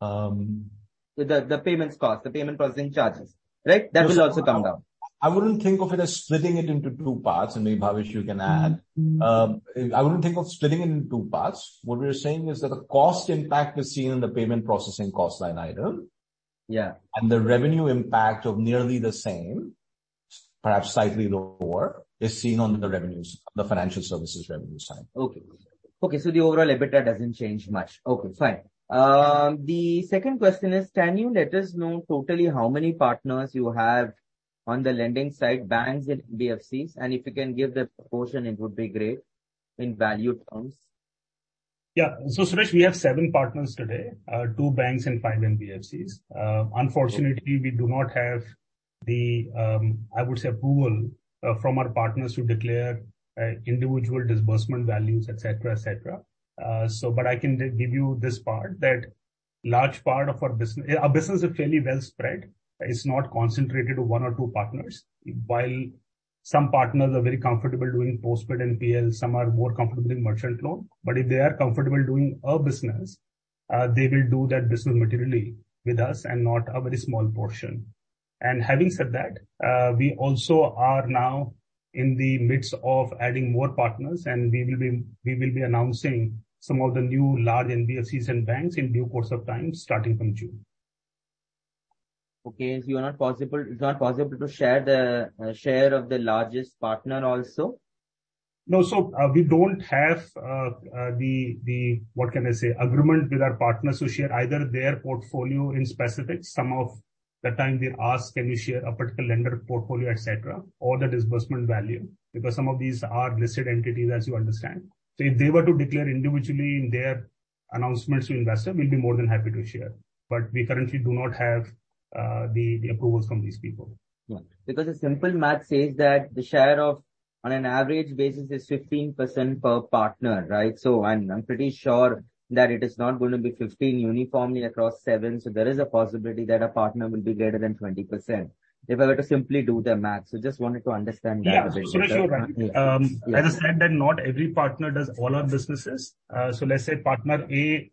Um- The payments cost, the payment processing charges, right? That will also come down. I wouldn't think of it as splitting it into two parts, and maybe Bhavesh you can add. Mm-hmm. I wouldn't think of splitting it in two parts. What we are saying is that the cost impact is seen in the payment processing cost line item. Yeah. The revenue impact of nearly the same, perhaps slightly lower, is seen on the revenues, the financial services revenue side. Okay. Okay, so the overall EBITDA doesn't change much. Okay, fine. The second question is can you let us know totally how many partners you have on the lending side, banks and NBFCs? If you can give the proportion it would be great, in value terms. Yeah. Suresh, we have seven partners today, two banks and five NBFCs. Unfortunately, we do not have the, I would say, approval from our partners to declare individual disbursement values, et cetera, et cetera. I can give you this part, that large part of our business. Our business is fairly well spread. It's not concentrated to one or two partners. While some partners are very comfortable doing postpaid and PL, some are more comfortable in merchant loan. If they are comfortable doing our business, they will do that business materially with us and not a very small portion. Having said that, we also are now in the midst of adding more partners and we will be announcing some of the new large NBFCs and banks in due course of time starting from June. Okay. It's not possible to share the share of the largest partner also? No. We don't have the, what can I say, agreement with our partners to share either their portfolio in specific. Some of the time they ask, "Can you share a particular lender portfolio, et cetera, or the disbursement value?" Because some of these are listed entities, as you understand. If they were to declare individually in their announcements to investors, we'll be more than happy to share. We currently do not have the approvals from these people. Yeah. Because the simple math says that the share of, on an average basis is 15% per partner, right? I'm pretty sure that it is not gonna be 15 uniformly across seven, so there is a possibility that a partner will be greater than 20%. If I were to simply do the math. Just wanted to understand that a bit better. Yeah. Sure, sure, Suresh. Yeah. As I said that not every partner does all our businesses. Let's say partner A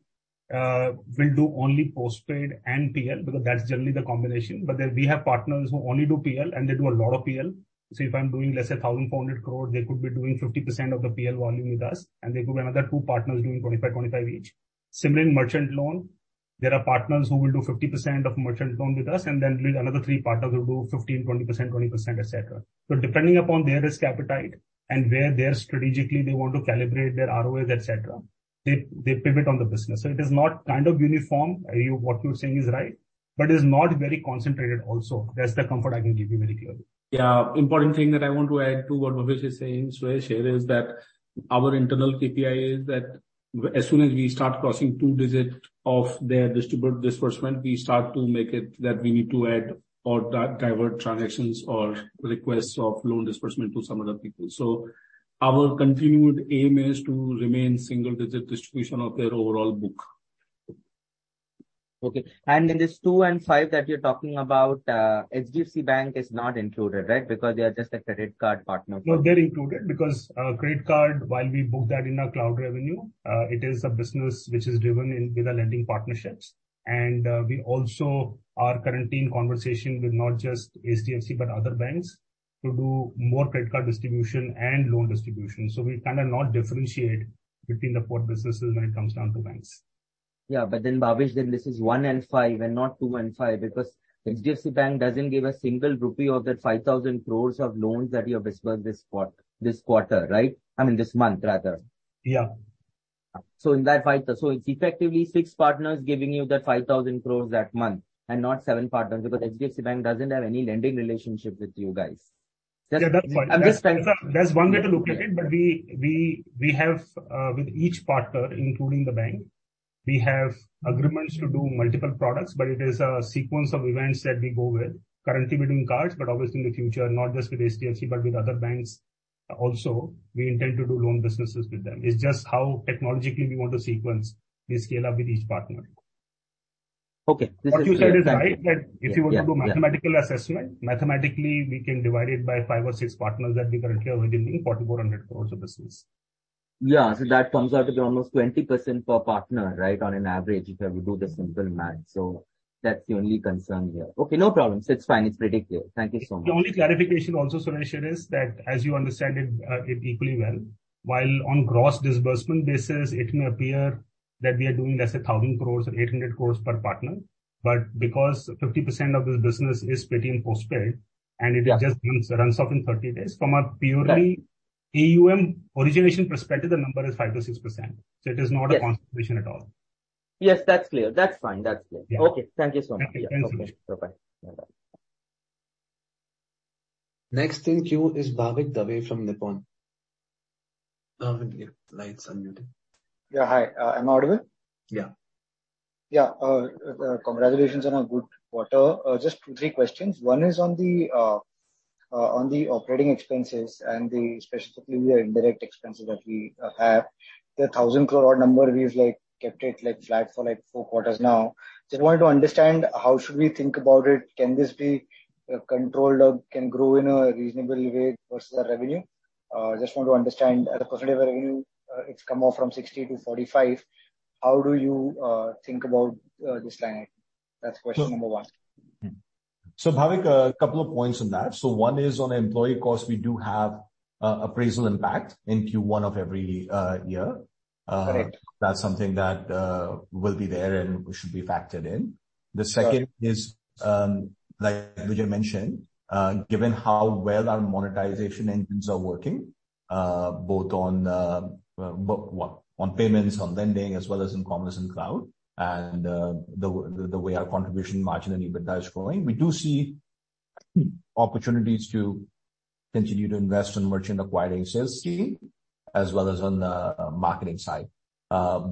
will do only postpaid and PL because that's generally the combination. We have partners who only do PL and they do a lot of PL. If I'm doing, let's say 1,400 crore, they could be doing 50% of the PL volume with us, and there could be another two partners doing 25%, 25% each. Similarly, in merchant loan, there are partners who will do 50% of merchant loan with us, and then another three partners will do 15%, 20%, 20%, et cetera. Depending upon their risk appetite and where they are strategically they want to calibrate their ROAs, et cetera, they pivot on the business. It is not kind of uniform. What you're saying is right, but it is not very concentrated also. That's the comfort I can give you very clearly. Important thing that I want to add to what Bhavesh is saying, Suresh, here is that our internal KPI is that as soon as we start crossing two digit of their disbursement, we start to make it that we need to add or divert transactions or requests of loan disbursement to some other people. Our continued aim is to remain single-digit distribution of their overall book. Okay. In this two and five that you're talking about, HDFC Bank is not included, right? Because they are just a credit card partner. No, they're included because, credit card, while we book that in our cloud revenue, it is a business which is driven with our lending partnerships. We also are currently in conversation with not just HDFC but other banks to do more credit card distribution and loan distribution. We kind of not differentiate between the four businesses when it comes down to banks. Yeah. Bhavesh, then this is one and five and not two and five because HDFC Bank doesn't give a single rupee of that 5,000 crores of loans that you have disbursed this quarter, right? I mean, this month rather. Yeah. It's effectively six partners giving you that 5,000 crores that month and not seven partners because HDFC Bank doesn't have any lending relationship with you guys. Yeah, that's fine. I'm just trying to- That's one way to look at it. Yeah. We have with each partner, including the bank, we have agreements to do multiple products. It is a sequence of events that we go with. Currently we're doing cards. Obviously in the future, not just with HDFC but with other banks also, we intend to do loan businesses with them. It's just how technologically we want to sequence the scale up with each partner. Okay. This is clear now. What you said is right, that if you want to. Yeah. Yeah. mathematical assessment, mathematically we can divide it by five or six partners that we currently have within the 4,400 crores of business. Yeah. That comes out to be almost 20% per partner, right? On an average, if you have to do the simple math. That's the only concern here. Okay, no problem. It's fine. It's pretty clear. Thank you so much. The only clarification also, Suresh, here is that as you understand it equally well, while on gross disbursement basis it may appear that we are doing, let's say, 1,000 crores or 800 crores per partner, but because 50% of this business is pretty in Postpaid and it just runs off in 30 days, from a purely AUM origination perspective, the number is 5%-6%. Yes. It is not a concentration at all. Yes, that's clear. That's fine. That's clear. Yeah. Okay, thank you so much. Okay, thank you. Okay. Bye-bye. Bye-bye. Next in queue is Bhavik Dave from Nippon. Bhavik, your line's unmuted. Yeah. Hi, am I audible? Yeah. Yeah. Congratulations on a good quarter. Just two, three questions. One is on the on the operating expenses and the specifically the indirect expenses that we have. The 1,000 crore odd number we've, like, kept it, like, flat for like four quarters now. Just wanted to understand how should we think about it? Can this be controlled or can grow in a reasonable way versus the revenue? Just want to understand. At a percentage of revenue, it's come off from 60%-45%. How do you think about this line item? That's question number one. Bhavik, a couple of points on that. One is on employee costs, we do have appraisal impact in Q1 of every year. Correct. That's something that will be there and should be factored in. Sure. The second is, like Vijay mentioned, given how well our monetization engines are working, both on payments, on lending, as well as in commerce and cloud, and the way our contribution margin and EBITDA is growing, we do see opportunities to continue to invest in merchant acquiring sales team as well as on the marketing side. We're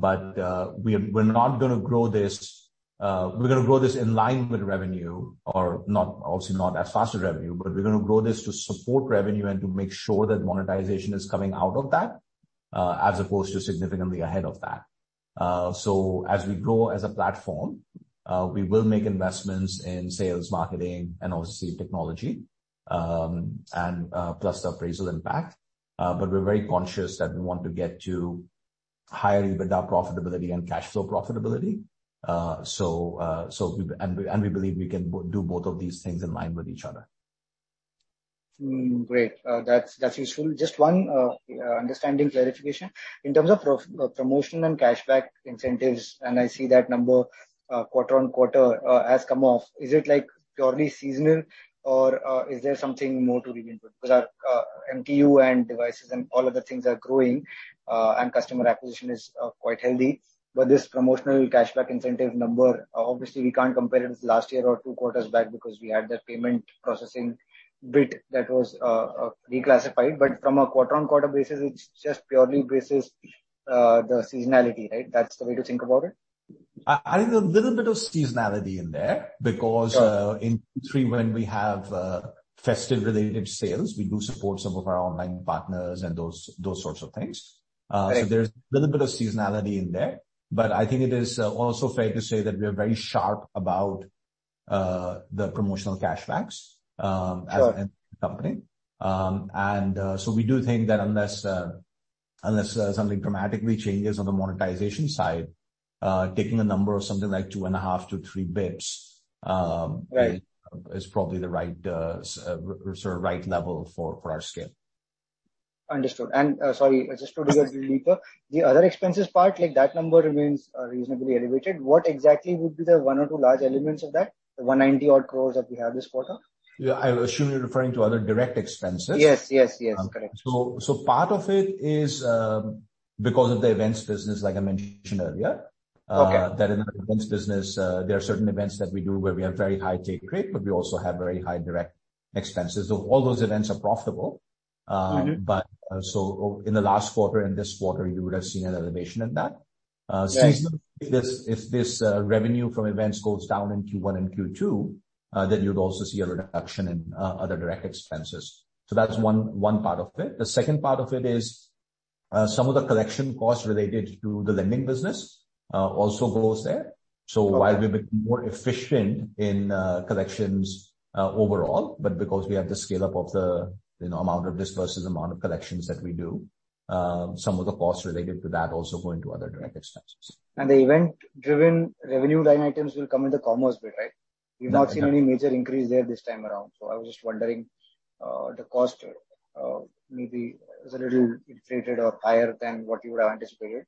not gonna grow this, we're gonna grow this in line with revenue or not, obviously not as fast as revenue, but we're gonna grow this to support revenue and to make sure that monetization is coming out of that, as opposed to significantly ahead of that. As we grow as a platform, we will make investments in sales, marketing, and obviously technology, and plus the appraisal impact. We're very conscious that we want to get to higher EBITDA profitability and cash flow profitability. And we believe we can do both of these things in line with each other. Great. That's useful. Just one understanding clarification. In terms of promotion and cashback incentives, I see that number quarter-on-quarter has come off, is it like purely seasonal or is there something more to read into it? Our MTU and devices and all other things are growing, and customer acquisition is quite healthy. This promotional cashback incentive number, obviously we can't compare it with last year or two quarters back because we had that payment processing bit that was reclassified. From a quarter-on-quarter basis, it's just purely basis the seasonality, right? That's the way to think about it. I think a little bit of seasonality in there. Sure. in Q3 when we have festive related sales, we do support some of our online partners and those sorts of things. Right. There's a little bit of seasonality in there. I think it is also fair to say that we are very sharp about the promotional cashbacks. Sure. as a company. We do think that unless, something dramatically changes on the monetization side, taking a number of something like 2.5-3 bits. Right. Is probably the right, sort of right level for our scale. Understood. Sorry, just to dig a little deeper. The other expenses part, like that number remains reasonably elevated. What exactly would be the one or two large elements of that, the 190 odd crores that we have this quarter? Yeah. I assume you're referring to other direct expenses. Yes. Yes. Yes. Correct. Part of it is, because of the events business like I mentioned earlier. Okay. That in the events business, there are certain events that we do where we have very high take rate, but we also have very high direct expenses. All those events are profitable. Mm-hmm. In the last quarter and this quarter, you would have seen an elevation in that. Right. Seasonally, if this revenue from events goes down in Q1 and Q2, then you'd also see a reduction in other direct expenses. That's one part of it. The second part of it is some of the collection costs related to the lending business also goes there. Okay. While we've become more efficient in collections overall, but because we have the scale-up of the, you know, amount of disperses, amount of collections that we do, some of the costs related to that also go into other direct expenses. The event-driven revenue line items will come in the commerce bit, right? Exactly. We've not seen any major increase there this time around, so I was just wondering, the cost maybe is a little inflated or higher than what you would have anticipated.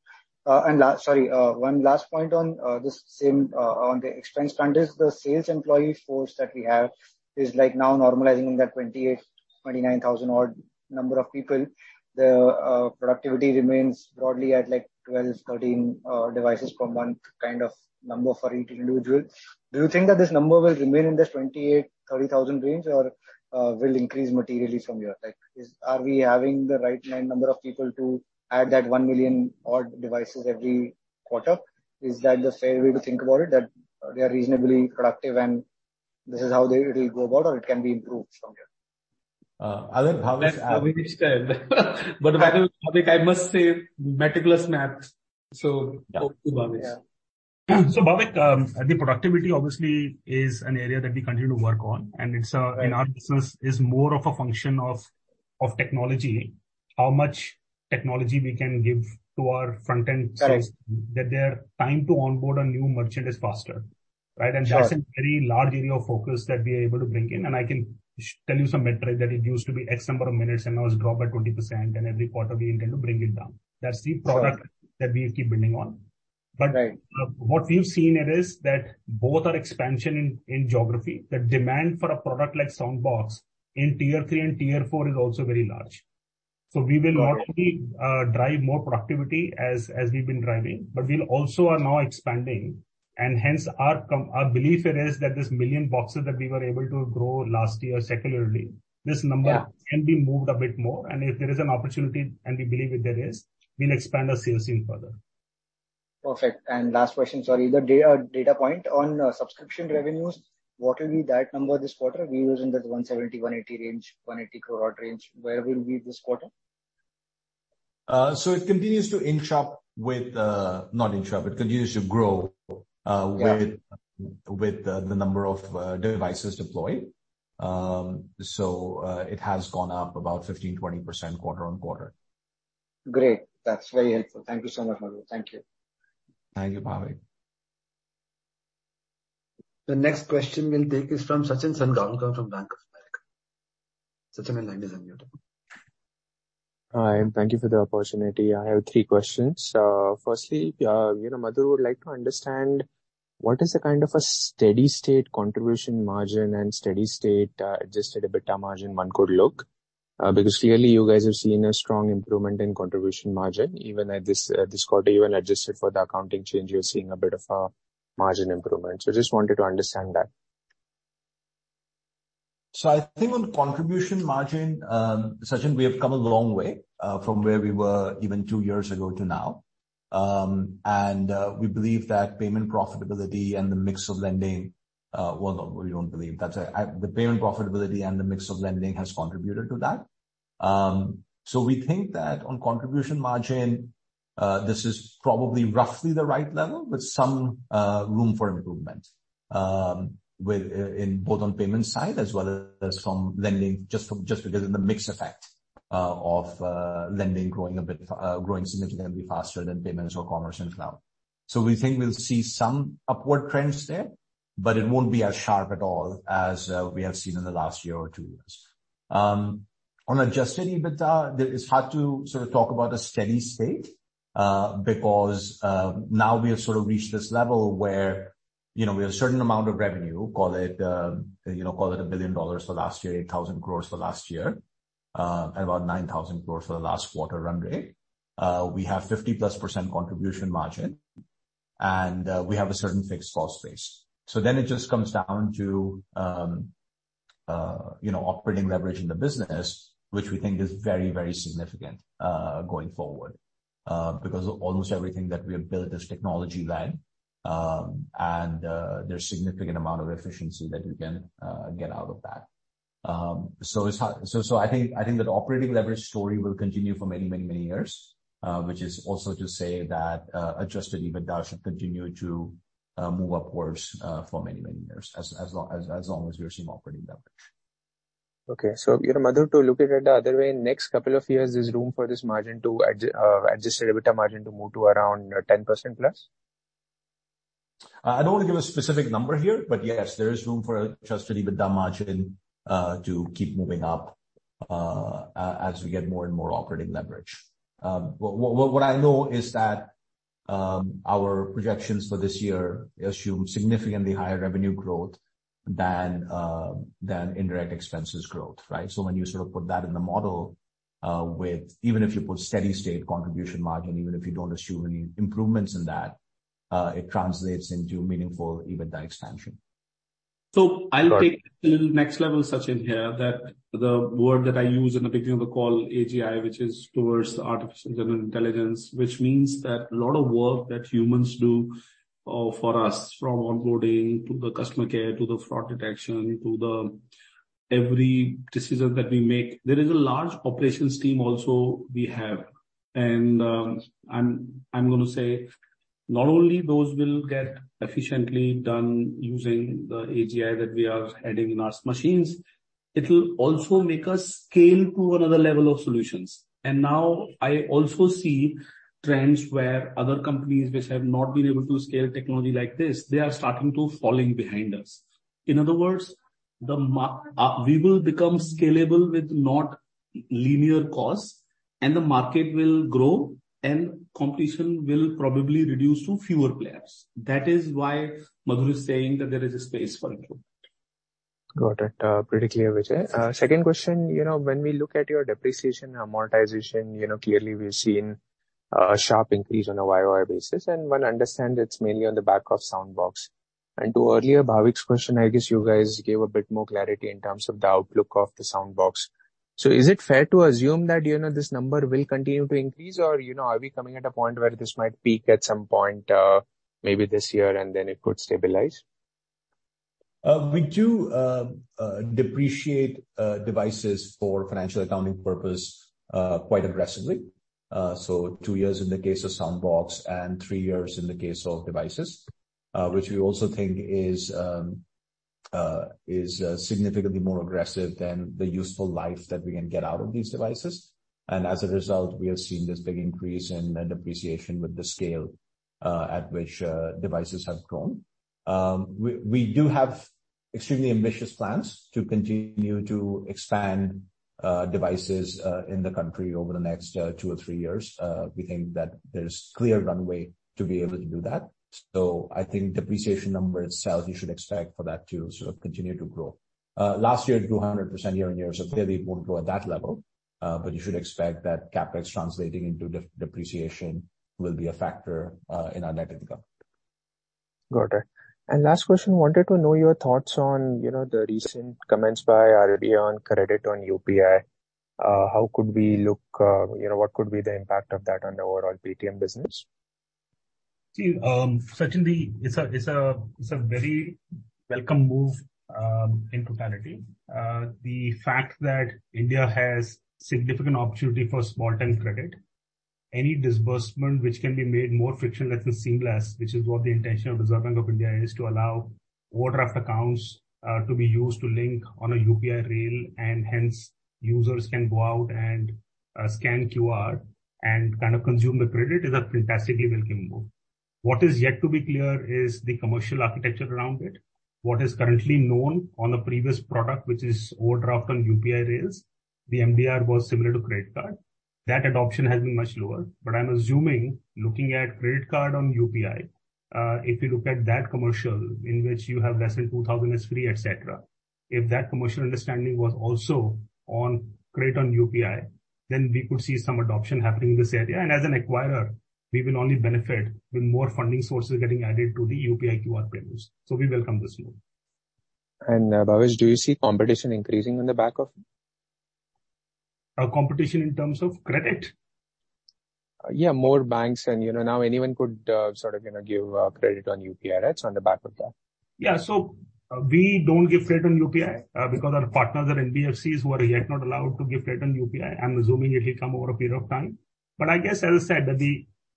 Sorry, one last point on this same on the expense front is the sales employee force that we have is like now normalizing in that 28,000-29,000 odd number of people. The productivity remains broadly at like 12-13 devices per month kind of number for each individual. Do you think that this number will remain in this 28,000-30,000 range or will increase materially from here? Like, are we having the right man number of people to add that 1 million odd devices every quarter? Is that the fair way to think about it, that they are reasonably productive and this is how they, it'll go about or it can be improved from here? I'll let Bhavesh add. Let Bhavik step. Bhavik, I must say meticulous math. Over to Bhavik. Yeah. Bhavik, the productivity obviously is an area that we continue to work on, and it's- Right. -in our business is more of a function of technology. How much technology we can give to our front-end sales team- Got it. that they're trying to onboard a new merchant is faster, right? Sure. That's a very large area of focus that we are able to bring in. I can tell you some metrics that it used to be X number of minutes, and now it's dropped by 20% and every quarter we intend to bring it down. That's the product that we keep building on. Right. What we've seen it is that both our expansion in geography, the demand for a product like Soundbox in tier three and tier four is also very large. Got it. we will not only drive more productivity as we've been driving, but we'll also are now expanding and hence our belief is that this 1 million boxes that we were able to grow last year secularly, this number. Yeah. can be moved a bit more. If there is an opportunity, and we believe that there is, we'll expand our sales even further. Perfect. Last question. Either data point on subscription revenues, what will be that number this quarter? We're using the 170-180 range, 180 quarter range. Where will we be this quarter? It continues to grow. Yeah. with the number of devices deployed. It has gone up about 15%-20% quarter-on-quarter. Great. That's very helpful. Thank you so much, Madhur. Thank you. Thank you, Bhavik. The next question we'll take is from Sachin Salgaonkar from Bank of America. Sachin, the line is yours. Hi, thank you for the opportunity. I have three questions. Firstly, you know, Madhu, I would like to understand what is the kind of a steady state contribution margin and steady state adjusted EBITDA margin one could look? Clearly you guys have seen a strong improvement in contribution margin even at this this quarter. Even adjusted for the accounting change, you're seeing a bit of a margin improvement. Just wanted to understand that. I think on contribution margin, Sachin Salgaonkar, we have come a long way from where we were even two years ago to now. The payment profitability and the mix of lending has contributed to that. We think that on contribution margin, this is probably roughly the right level with some room for improvement, with in both on payment side as well as some lending, just because of the mix effect of lending growing a bit, growing significantly faster than payments or Commerce & Cloud. We think we'll see some upward trends there, but it won't be as sharp at all as we have seen in the last year or two years. On adjusted EBITDA, it's hard to sort of talk about a steady state, because now we have sort of reached this level where we have a certain amount of revenue, call it, call it $1 billion for last year, 8,000 crores for last year, and about 9,000 crores for the last quarter run rate. We have 50%+ contribution margin, we have a certain fixed cost base. It just comes down to operating leverage in the business, which we think is very, very significant going forward, because almost everything that we have built is technology-led. There's significant amount of efficiency that we can get out of that. It's hard. I think that operating leverage story will continue for many years, which is also to say that adjusted EBITDA should continue to move upwards for many years as long as we assume operating leverage. Okay. you know, Madhu, to look at it the other way, next couple of years, there's room for this margin to adjusted EBITDA margin to move to around 10%+? I don't want to give a specific number here, but yes, there is room for adjusted EBITDA margin to keep moving up as we get more and more operating leverage. What I know is that our projections for this year assume significantly higher revenue growth than indirect expenses growth, right? When you sort of put that in the model, with even if you put steady state contribution margin, even if you don't assume any improvements in that, it translates into meaningful EBITDA expansion. I'll take the next level, Sachin, here, that the word that I used in the beginning of the call, AGI, which is towards the artificial general intelligence, which means that a lot of work that humans do, for us from onboarding to the customer care to the fraud detection to the every decision that we make. There is a large operations team also we have. I'm gonna say not only those will get efficiently done using the AGI that we are adding in our machines, it will also make us scale to another level of solutions. Now I also see trends where other companies which have not been able to scale technology like this, they are starting to falling behind us. In other words, we will become scalable with not linear costs and the market will grow and competition will probably reduce to fewer players. That is why Madhu is saying that there is a space for improvement. Got it. pretty clear, Vijay. Second question, you know, when we look at your depreciation amortization, you know, clearly we've seen a sharp increase on a year-over-year basis, and one understands it's mainly on the back of Soundbox. To earlier Bhavik's question, I guess you guys gave a bit more clarity in terms of the outlook of the Soundbox. Is it fair to assume that, you know, this number will continue to increase? Or, you know, are we coming at a point where this might peak at some point, maybe this year and then it could stabilize? We do depreciate devices for financial accounting purpose quite aggressively. So two years in the case of Soundbox and three years in the case of devices, which we also think is significantly more aggressive than the useful life that we can get out of these devices. As a result, we have seen this big increase in and depreciation with the scale at which devices have grown. We do have extremely ambitious plans to continue to expand devices in the country over the next two or three years. We think that there's clear runway to be able to do that. I think depreciation number itself, you should expect for that to sort of continue to grow. Last year it grew 100% year on year, clearly it won't grow at that level. You should expect that CapEx translating into depreciation will be a factor in our net income. Got it. Last question, wanted to know your thoughts on, you know, the recent comments by RBI on credit on UPI. How could we look, you know, what could be the impact of that on the overall Paytm business? See, Sachin. It's a very welcome move, in totality. The fact that India has significant opportunity for small term credit, any disbursement which can be made more frictionless and seamless, which is what the intention of the Reserve Bank of India is to allow overdraft accounts to be used to link on a UPI rail, and hence users can go out and scan QR and kind of consume the credit, is a fantastically welcome move. What is yet to be clear is the commercial architecture around it. What is currently known on a previous product, which is overdraft on UPI rails, the MDR was similar to credit card. That adoption has been much lower. I'm assuming looking at credit card on UPI, if you look at that commercial in which you have less than 2,000 is free, et cetera, if that commercial understanding was also on credit on UPI, then we could see some adoption happening in this area. As an acquirer, we will only benefit with more funding sources getting added to the UPI QR payments. We welcome this move. Bhavesh, do you see competition increasing on the back of it? Competition in terms of credit? Yeah, more banks and, you know, now anyone could, sort of, you know, give credit on UPI, right? On the back of that. Yeah. We don't give credit on UPI, because our partners are NBFCs who are yet not allowed to give credit on UPI. I'm assuming it will come over a period of time. I guess, as I said, that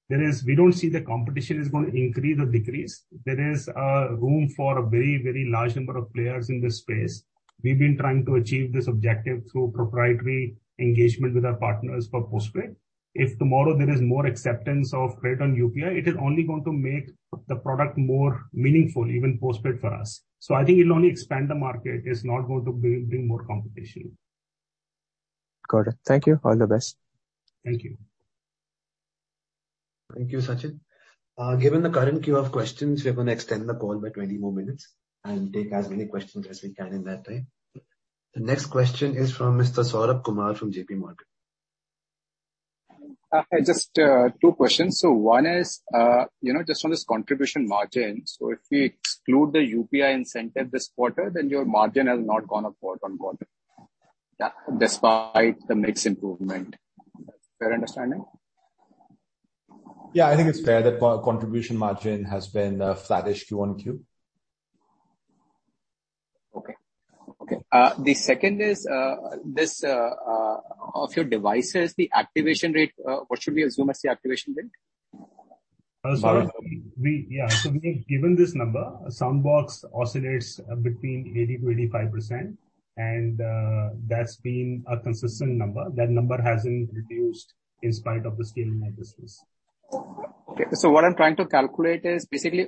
we don't see the competition is gonna increase or decrease. There is room for a very, very large number of players in this space. We've been trying to achieve this objective through proprietary engagement with our partners for Paytm Postpaid. If tomorrow there is more acceptance of credit on UPI, it is only going to make the product more meaningful, even Paytm Postpaid for us. I think it'll only expand the market. It's not going to bring more competition. Got it. Thank you. All the best. Thank you. Thank you, Sachin. Given the current queue of questions, we're going to extend the call by 20 more minutes and take as many questions as we can in that time. The next question is from Mr. Saurabh Kumar from J.P. Morgan. Hi. Just, two questions. one is, you know, just on this contribution margin. If we exclude the UPI incentive this quarter, then your margin has not gone up quarter-on-quarter, despite the mix improvement. Fair understanding? Yeah, I think it's fair that co-contribution margin has been flattish Q on Q. Okay. The second is, this of your devices, the activation rate, what should we assume as the activation rate? Saurabh, Yeah. We've given this number. Soundbox oscillates between 80%-85%, and that's been a consistent number. That number hasn't reduced in spite of the scaling of the space. Okay. What I'm trying to calculate is basically,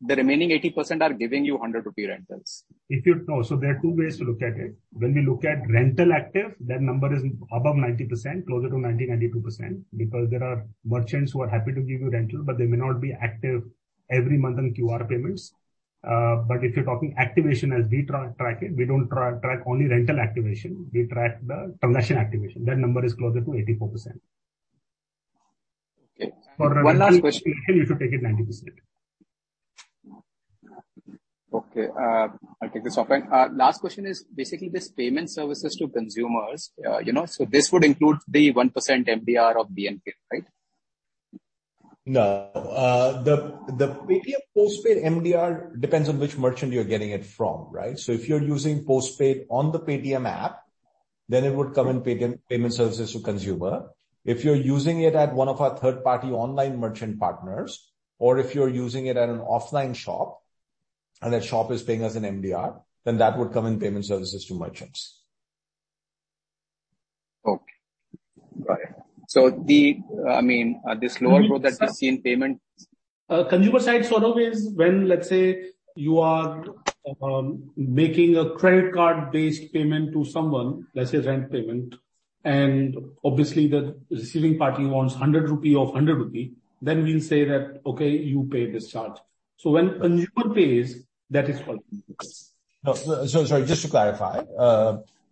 the remaining 80% are giving you 100 rupee rentals. No. There are two ways to look at it. When we look at rental active, that number is above 90%, closer to 90%, 92%, because there are merchants who are happy to give you rental, but they may not be active every month on QR payments. If you're talking activation, as we track it, we don't track only rental activation. We track the transaction activation. That number is closer to 84%. Okay. One last question. For rental you should take it 90%. Okay. I'll take this offline. Last question is basically this payment services to consumers, you know, so this would include the 1% MDR of BNPL, right? No. The Paytm Postpaid MDR depends on which merchant you're getting it from, right? If you're using Postpaid on the Paytm app, then it would come in payment services to consumer. If you're using it at one of our third party online merchant partners, or if you're using it at an offline shop and that shop is paying us an MDR, then that would come in payment services to merchants. Okay. Got it. The, I mean, this lower growth that we've seen. Consumer side, Saurabh, is when, let's say, you are making a credit card based payment to someone, let's say rent payment. Obviously the receiving party wants 100 rupee of 100 rupee, then we'll say that, "Okay, you pay this charge." When consumer pays, that is called payments. No. Just to clarify,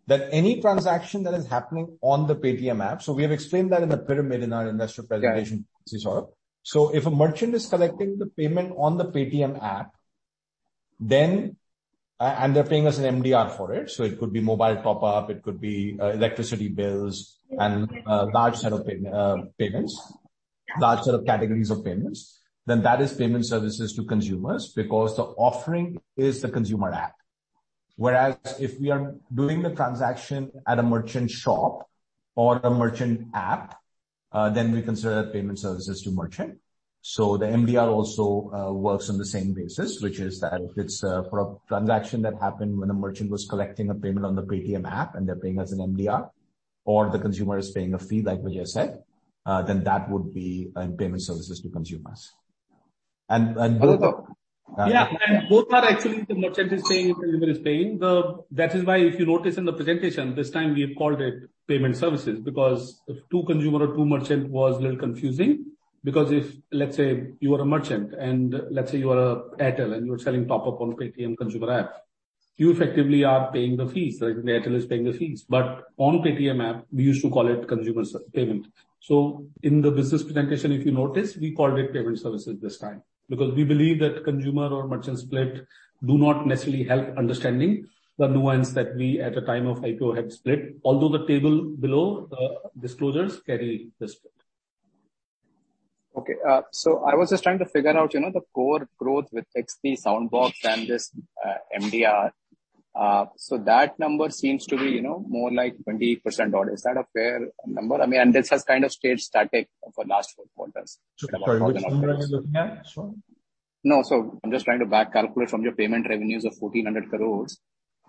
that any transaction that is happening on the Paytm app, we have explained that in the pyramid in our investor presentation. Yeah. This is Saurabh. If a merchant is collecting the payment on the Paytm app, and they're paying us an MDR for it, so it could be mobile top up, it could be electricity bills and large set of payments, large set of categories of payments, then that is payment services to consumers because the offering is the consumer app. Whereas if we are doing the transaction at a merchant shop or a merchant app, then we consider that payment services to merchant. The MDR also works on the same basis, which is that if it's for a transaction that happened when a merchant was collecting a payment on the Paytm app and they're paying us an MDR or the consumer is paying a fee, like Vijay said, then that would be in payment services to consumers. Both. Yeah. Both are actually the merchant is paying, the consumer is paying. That is why if you notice in the presentation this time we have called it payment services, because if to consumer or to merchant was a little confusing. Because if, let's say, you are a merchant, and let's say you are Airtel and you're selling top up on Paytm consumer app. You effectively are paying the fees, like Airtel is paying the fees. On Paytm app, we used to call it consumer payment. In the business presentation, if you notice, we called it payment services this time because we believe that consumer or merchant split do not necessarily help understanding the nuance that we, at the time of IPO, had split. Although the table below, disclosures carry the split. Okay. I was just trying to figure out, you know, the core growth with XT, Soundbox and this, MDR. That number seems to be, you know, more like 20% odd. Is that a fair number? I mean, this has kind of stayed static for last four quarters. Sorry, which number are you looking at, Saurabh? I'm just trying to back calculate from your payment revenues of 1,400 crores.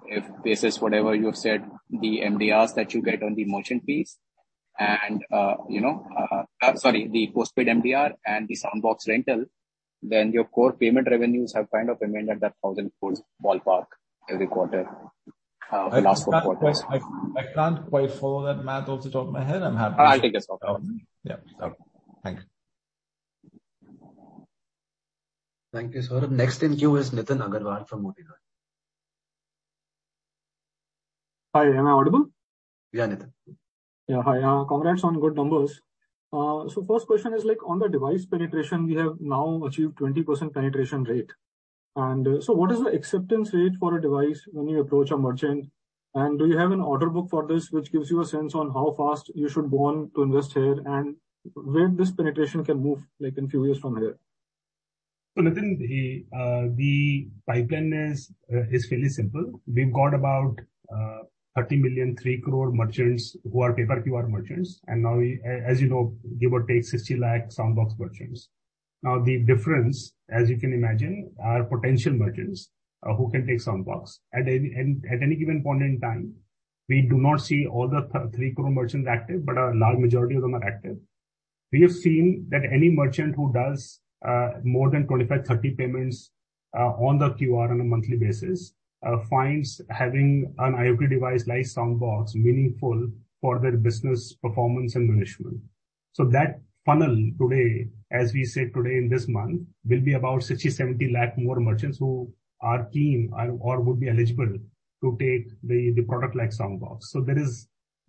If this is whatever you have said, the MDRs that you get on the merchant fees and, you know, Sorry, the postpaid MDR and the Soundbox rental, then your core payment revenues have kind of remained at that 1,000 crores ballpark every quarter, for the last four quarters. I can't quite follow that math off the top of my head. I'm happy to- I think it's okay. Yeah. Thank you. Thank you, Saurabh. Next in queue is Nitin Aggarwal from Motilal. Hi, am I audible? Yeah, Nitin. Yeah. Hi. Congrats on good numbers. First question is, like on the device penetration, we have now achieved 20% penetration rate. What is the acceptance rate for a device when you approach a merchant? Do you have an order book for this, which gives you a sense on how fast you should go on to invest here and where this penetration can move, like in few years from here? Nitin, the pipeline is fairly simple. We've got about 30 million, 3 crore merchants who are paper QR merchants. Now we as you know, give or take 60 lakh Soundbox merchants. The difference, as you can imagine, are potential merchants who can take Soundbox. At any given point in time, we do not see all the 3 crore merchants active, but a large majority of them are active. We have seen that any merchant who does more than 25, 30 payments on the QR on a monthly basis finds having an IoT device like Soundbox meaningful for their business performance and management. That funnel today, as we sit today in this month, will be about 60, 70 lakh more merchants who are keen or would be eligible to take the product like Soundbox.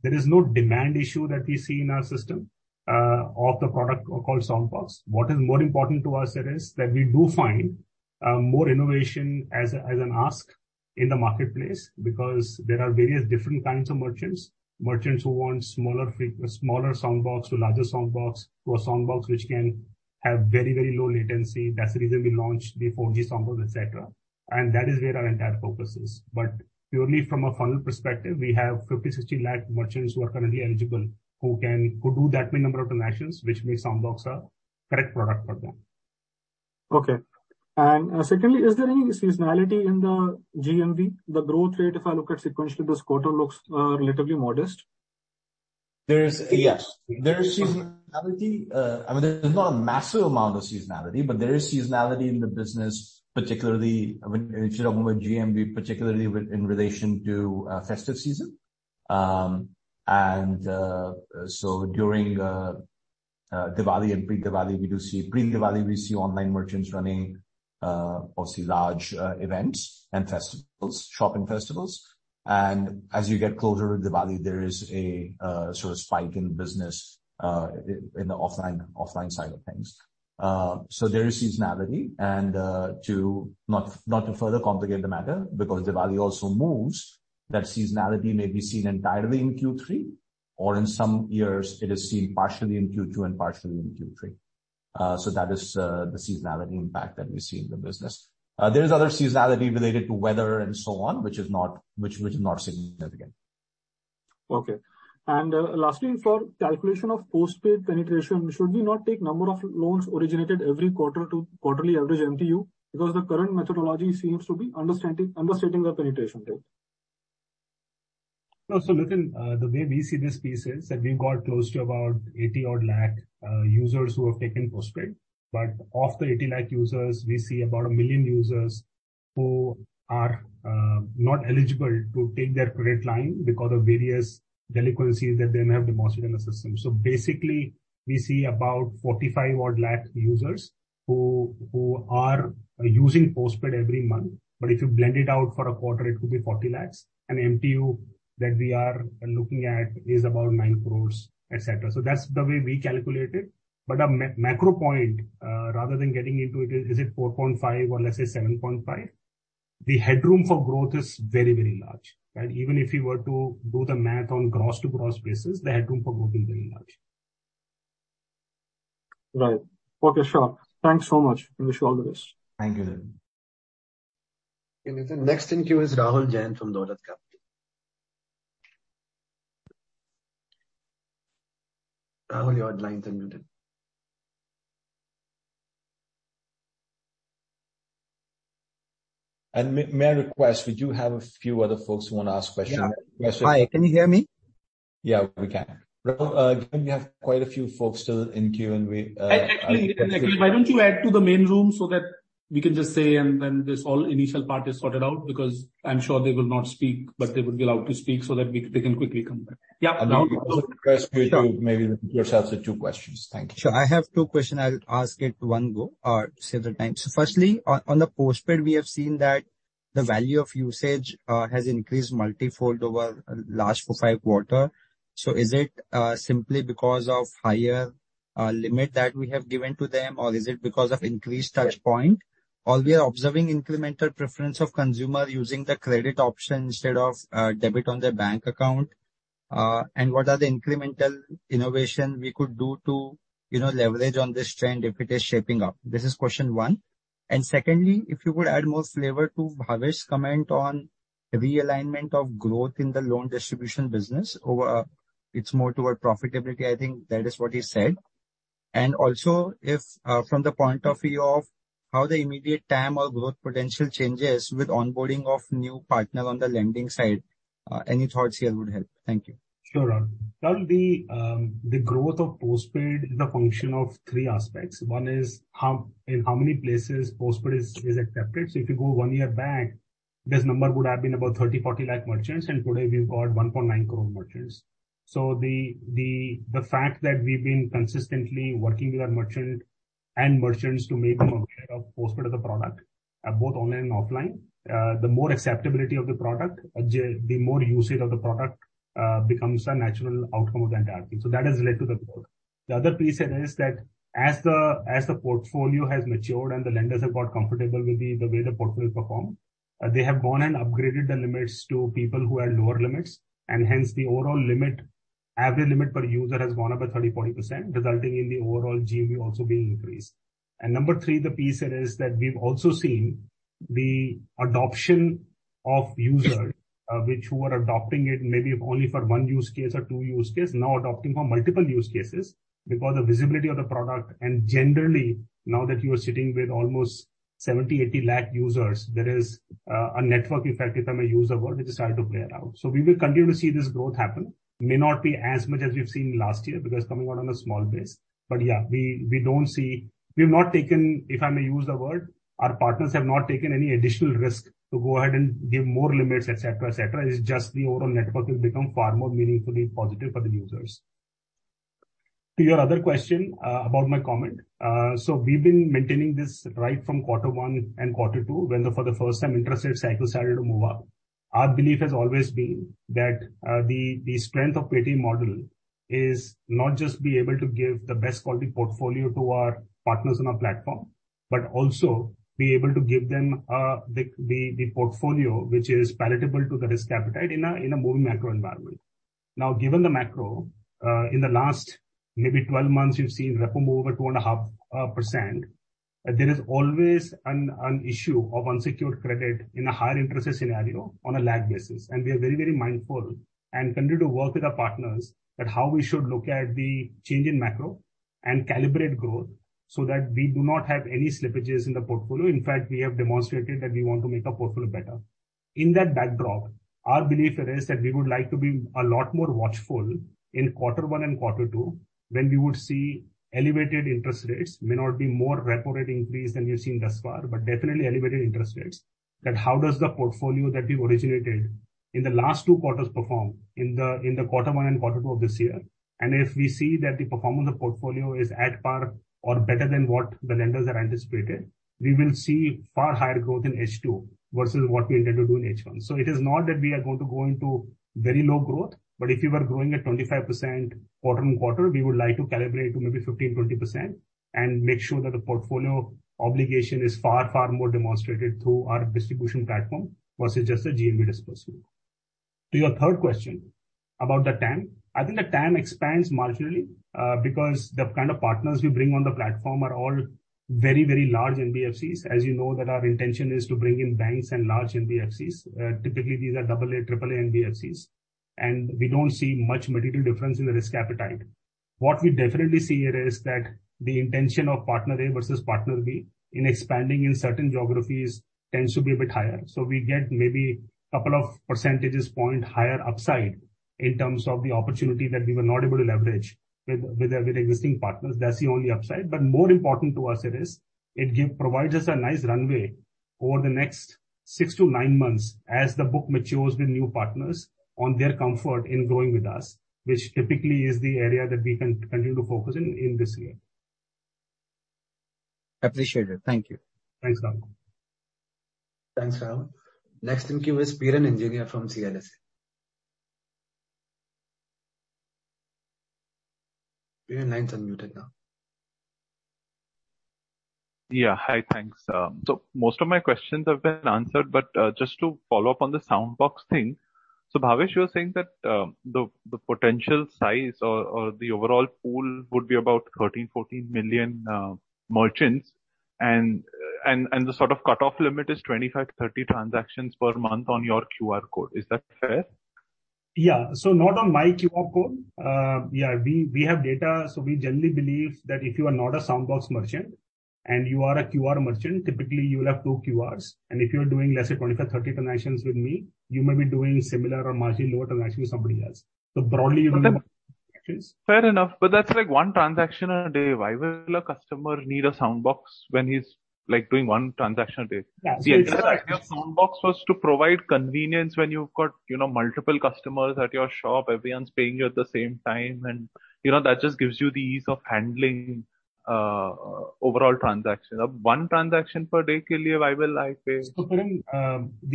There is no demand issue that we see in our system of the product called Soundbox. What is more important to us, that we do find more innovation as an ask in the marketplace because there are various different kinds of merchants. Merchants who want smaller Soundbox to larger Soundbox, to a Soundbox which can have very, very low latency. That's the reason we launched the 4G Soundbox, et cetera. That is where our entire focus is. Purely from a funnel perspective, we have 50, 60 lakh merchants who are currently eligible, who can. Who do that many number of transactions which make Soundbox a correct product for them. Okay. Secondly, is there any seasonality in the GMV? The growth rate, if I look at sequentially, this quarter looks relatively modest. Yes. There is seasonality. I mean, there's not a massive amount of seasonality, but there is seasonality in the business, particularly when, if you're talking about GMV, particularly with, in relation to festive season. During Diwali and Pre-Diwali, we see online merchants running obviously large events and festivals, shopping festivals. As you get closer to Diwali, there is a sort of spike in business in the offline side of things. There is seasonality and not to further complicate the matter, because Diwali also moves, that seasonality may be seen entirely in Q3, or in some years it is seen partially in Q2 and partially in Q3. That is the seasonality impact that we see in the business. There's other seasonality related to weather and so on, which is not, which is not significant. Okay. Lastly, for calculation of postpaid penetration, should we not take number of loans originated every quarter to quarterly average MTU? The current methodology seems to be understating the penetration rate. No. Nitin, the way we see this piece is that we've got close to about 80 odd lakh users who have taken Paytm Postpaid. Of the 80 lakh users, we see about 1 million users who are not eligible to take their credit line because of various delinquencies that they may have deposited in the system. Basically, we see about 45 odd lakh users who are using Paytm Postpaid every month. If you blend it out for a quarter, it could be 40 lakh. MTU that we are looking at is about 9 crore, et cetera. That's the way we calculate it. A macro point, rather than getting into it, is it 4.5 or let's say 7.5? The headroom for growth is very, very large, right? Even if you were to do the math on gross-to-gross basis, the headroom for growth is very large. Right. Okay, sure. Thanks so much and wish you all the best. Thank you, Nitin. Okay, Nitin. Next in queue is Rahul Jain from Dolat Capital. Rahul, your lines are muted. May I request, we do have a few other folks who wanna ask questions. Yeah. Yes, Rahul. Hi, can you hear me? Yeah, we can. Rahul, given we have quite a few folks still in queue and we. Actually, why don't you add to the main room so that we can just say and then this all initial part is sorted out because I'm sure they will not speak, but they will be allowed to speak so that they can quickly come back. Yeah. Maybe request you to maybe limit yourselves to two questions. Thank you. Sure. I have two questions. I'll ask it one go or save the time. Firstly, on the postpaid, we have seen that the value of usage has increased multi-fold over last five quarter. Is it simply because of higher limit that we have given to them or is it because of increased touchpoint? Are we observing incremental preference of consumer using the credit option instead of debit on their bank account? What are the incremental innovation we could do to, you know, leverage on this trend if it is shaping up? This is question one. Secondly, if you could add more flavor to Bhavesh's comment on realignment of growth in the loan distribution business over, it's more toward profitability, I think that is what he said. Also if, from the point of view of how the immediate TAM or growth potential changes with onboarding of new partner on the lending side, any thoughts here would help. Thank you. Sure, Rahul. Rahul, the growth of Postpaid is a function of three aspects. One is how, in how many places Postpaid is accepted. If you go one year back, this number would have been about 30, 40 lakh merchants, and today we've got 1.9 crore merchants. The fact that we've been consistently working with our merchant and merchants to make them aware of Postpaid as a product, both online and offline, the more acceptability of the product, the more usage of the product, becomes a natural outcome of the entire thing. That has led to the growth. The other piece here is that as the portfolio has matured and the lenders have got comfortable with the way the portfolio performed, they have gone and upgraded the limits to people who had lower limits. Hence the overall limit, average limit per user has gone up by 30%-40%, resulting in the overall GMV also being increased. Number three, the piece here is that we've also seen the adoption of users, who are adopting it maybe only for one use case or two use case, now adopting for multiple use cases because the visibility of the product. Generally, now that you are sitting with almost 70, 80 lakh users, there is a network effect, if I may use the word, which is starting to play out. We will continue to see this growth happen. May not be as much as we've seen last year because coming on a small base. Yeah, we don't see. We've not taken, if I may use the word, our partners have not taken any additional risk to go ahead and give more limits, et cetera, et cetera. It's just the overall network will become far more meaningfully positive for the users. To your other question about my comment. We've been maintaining this right from quarter one and quarter two when the, for the first time interest rate cycle started to move up. Our belief has always been that the strength of pay tech model is not just be able to give the best quality portfolio to our partners on our platform, but also be able to give them the portfolio which is palatable to the risk appetite in a moving macro environment. Given the macro in the last maybe 12 months you've seen repo move at 2.5%. There is always an issue of unsecured credit in a higher interest rate scenario on a lag basis. We are very mindful and continue to work with our partners at how we should look at the change in macro and calibrate growth so that we do not have any slippages in the portfolio. In fact, we have demonstrated that we want to make our portfolio better. In that backdrop, our belief here is that we would like to be a lot more watchful in quarter one and quarter two when we would see elevated interest rates. May not be more repo rate increase than we've seen thus far, but definitely elevated interest rates. How does the portfolio that we've originated in the last two quarters perform in the quarter one and quarter two of this year? If we see that the performance of portfolio is at par or better than what the lenders had anticipated, we will see far higher growth in H2 versus what we intend to do in H1. It is not that we are going to go into very low growth, but if you were growing at 25% quarter on quarter, we would like to calibrate to maybe 15%-20% and make sure that the portfolio obligation is far, far more demonstrated through our distribution platform versus just a GMV dispersal. To your third question about the TAM. I think the TAM expands marginally because the kind of partners we bring on the platform are all very, very large NBFCs. As you know that our intention is to bring in banks and large NBFCs, typically these are double A, triple A NBFCs, and we don't see much material difference in the risk appetite. What we definitely see here is that the intention of partner A versus partner B in expanding in certain geographies tends to be a bit higher. We get maybe couple of percentages point higher upside in terms of the opportunity that we were not able to leverage with our existing partners. That's the only upside. More important to us it is, it provides us a nice runway over the next six to nine months as the book matures with new partners on their comfort in going with us, which typically is the area that we can continue to focus in this year. Appreciate it. Thank you. Thanks, Rahul. Thanks, Rahul. Next in queue is Piran Engineer from CLSA. Piran, line's unmuted now. Yeah. Hi, thanks. Most of my questions have been answered, but just to follow up on the Soundbox thing. Bhavesh, you were saying that the potential size or the overall pool would be about 13, 14 million merchants and the sort of cut-off limit is 25 to 30 transactions per month on your QR code. Is that fair? Yeah. Not on my QR code. Yeah, we have data. We generally believe that if you are not a Soundbox merchant and you are a QR merchant, typically you will have two QRs. If you are doing let's say 25, 30 transactions with me, you may be doing similar or marginally lower transactions with somebody else. Okay. Fair enough. That's like one transaction a day. Why will a customer need a Soundbox when he's, like, doing one transaction a day? Yeah. The entire idea of Soundbox was to provide convenience when you've got, you know, multiple customers at your shop, everyone's paying you at the same time. You know, that just gives you the ease of handling overall transaction. One transaction per day. Piran,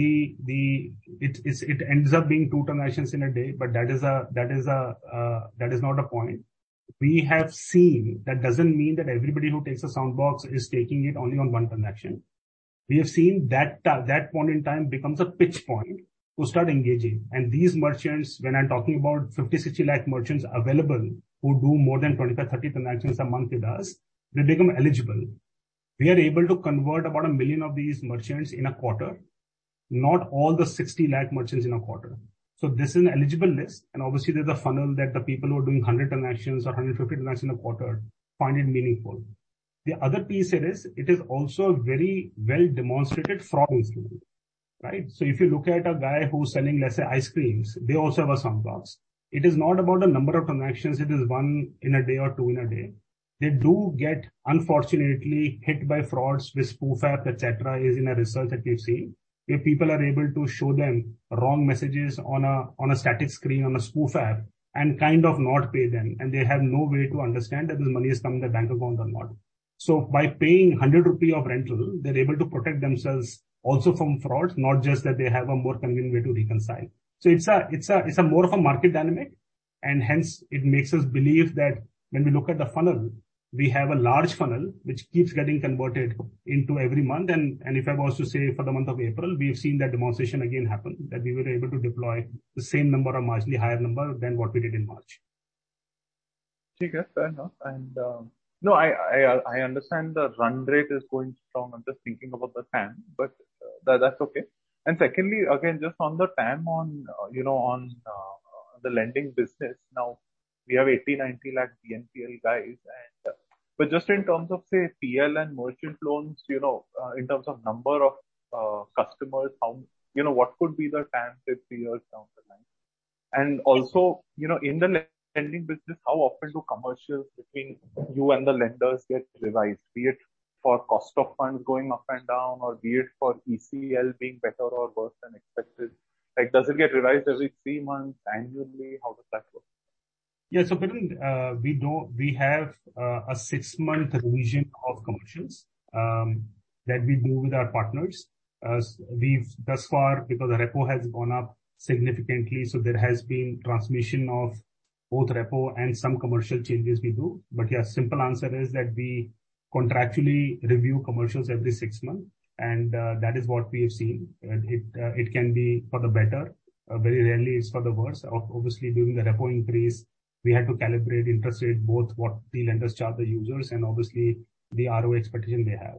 it ends up being two transactions in a day, but that is a, that is not a point. We have seen that doesn't mean that everybody who takes a Soundbox is taking it only on one transaction. We have seen that point in time becomes a pitch point to start engaging. These merchants, when I'm talking about 50 lakh-60 lakh merchants available who do more than 25-30 transactions a month with us, they become eligible. We are able to convert about 1 million of these merchants in a quarter, not all the 60 lakh merchants in a quarter. This is an eligible list, and obviously there's a funnel that the people who are doing 100 transactions or 150 transactions a quarter find it meaningful. The other piece it is, it is also a very well-demonstrated fraud instrument, right. If you look at a guy who's selling, let's say, ice creams, they also have a Soundbox. It is not about the number of transactions, it is one in a day or two in a day. They do get, unfortunately, hit by frauds with spoof app, etcetera, is in a research that we've seen. If people are able to show them wrong messages on a static screen, on a spoof app and kind of not pay them, and they have no way to understand that this money is coming to their bank account or not. By paying 100 rupees of rental, they're able to protect themselves also from fraud, not just that they have a more convenient way to reconcile. It's a more of a market dynamic, and hence it makes us believe that when we look at the funnel, we have a large funnel which keeps getting converted into every month. If I was to say for the month of April, we have seen that demonstration again happen, that we were able to deploy the same number or marginally higher number than what we did in March. Okay. Fair enough. No, I understand the run rate is going strong. I'm just thinking about the TAM, but that's okay. Secondly, again, just on the TAM on, you know, on the lending business. Now, we have 80 lakh-90 lakh BNPL guys and just in terms of, say, PL and merchant loans, you know, in terms of number of customers, how, you know, what could be the TAM say three years down the line? Also, you know, in the lending business, how often do commercials between you and the lenders get revised, be it for cost of funds going up and down or be it for ECL being better or worse than expected? Like, does it get revised every three months, annually? How does that work? Yeah. Piran, we have a six-month revision of commercials that we do with our partners. We've thus far, because the repo has gone up significantly, there has been transmission of both repo and some commercial changes we do. Yeah, simple answer is that we contractually review commercials every six months and that is what we have seen. It can be for the better, very rarely it's for the worse. Obviously, during the repo increase, we had to calibrate interest rate both what the lenders charge the users and obviously the ROA expectation they have.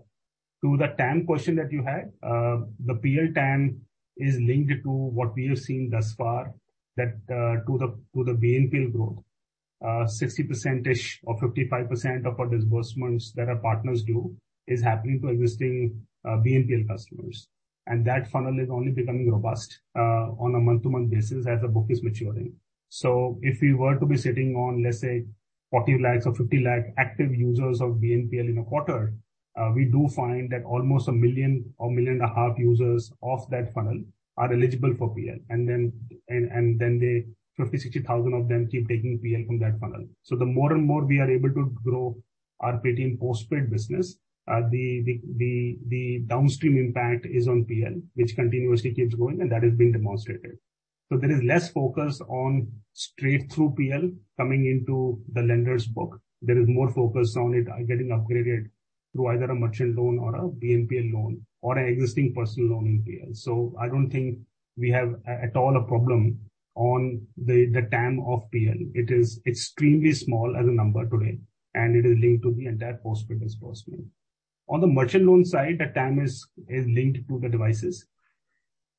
To the TAM question that you had, the PL TAM is linked to what we have seen thus far that to the BNPL growth. 60%-ish or 55% of our disbursements that our partners do is happening to existing BNPL customers. That funnel is only becoming robust on a month-to-month basis as the book is maturing. If we were to be sitting on, let's say, 40 lakh or 50 lakh active users of BNPL in a quarter, we do find that almost 1 million or 1.5 million users of that funnel are eligible for PL. Then they 50,000-60,000 of them keep taking PL from that funnel. The more and more we are able to grow our Paytm Postpaid business, the downstream impact is on PL, which continuously keeps growing, and that is being demonstrated. There is less focus on straight through PL coming into the lender's book. There is more focus on it, getting upgraded through either a merchant loan or a BNPL loan or an existing personal loan in PL. I don't think we have at all a problem on the TAM of PL. It is extremely small as a number today, and it is linked to the entire postpaid business downstream. On the merchant loan side, the TAM is linked to the devices.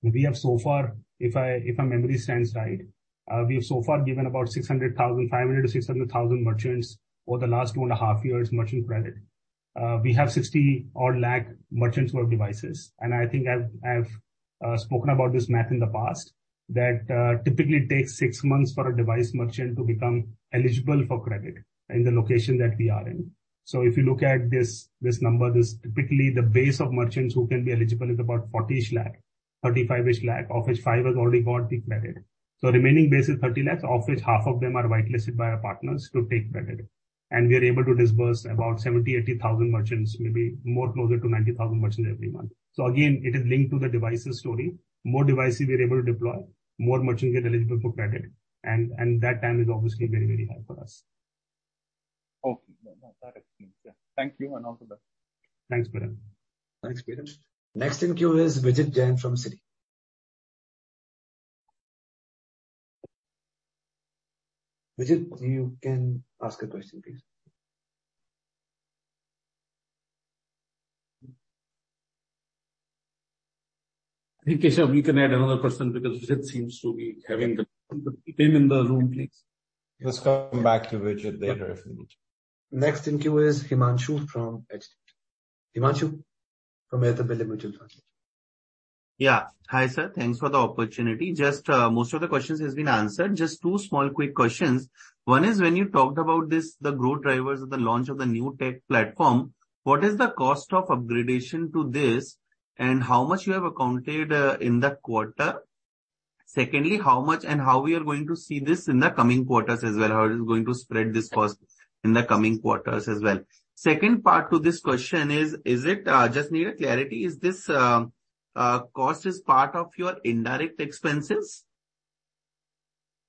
We have so far, if I, if my memory stands right, we have so far given about 600,000, 500,000-600,000 merchants over the last 2.5 years merchant credit. We have 60 odd lakh merchants who have devices. I think I've spoken about this math in the past, that typically it takes six months for a device merchant to become eligible for credit in the location that we are in. If you look at this number, Typically, the base of merchants who can be eligible is about 40-ish lakh, 35-ish lakh, of which five have already got the credit. Remaining base is 30 lakhs, of which half of them are whitelisted by our partners to take credit. We are able to disburse about 70,000-80,000 merchants, maybe more closer to 90,000 merchants every month. Again, it is linked to the devices story. More devices we are able to deploy, more merchants get eligible for credit. That TAM is obviously very, very high for us. Okay. No, no, that explains it. Thank you, and all the best. Thanks, Piraniran. Thanks, Piran. Next in queue is Vijit Jain from Citi. Vijit, you can ask a question, please. I think, Keshav, we can add another person because Vijit seems to be having the in the room please. Let's come back to Vijit later if we need to. Next in queue is Himanshu from. Himanshu from Edelweiss Yeah. Hi, sir. Thanks for the opportunity. Just, most of the questions has been answered. Just two small quick questions. One is when you talked about this, the growth drivers of the launch of the new tech platform, what is the cost of upgradation to this and how much you have accounted in the quarter? Secondly, how much and how we are going to see this in the coming quarters as well? How it is going to spread this cost in the coming quarters as well. Second part to this question is it, just need a clarity, is this cost is part of your indirect expenses?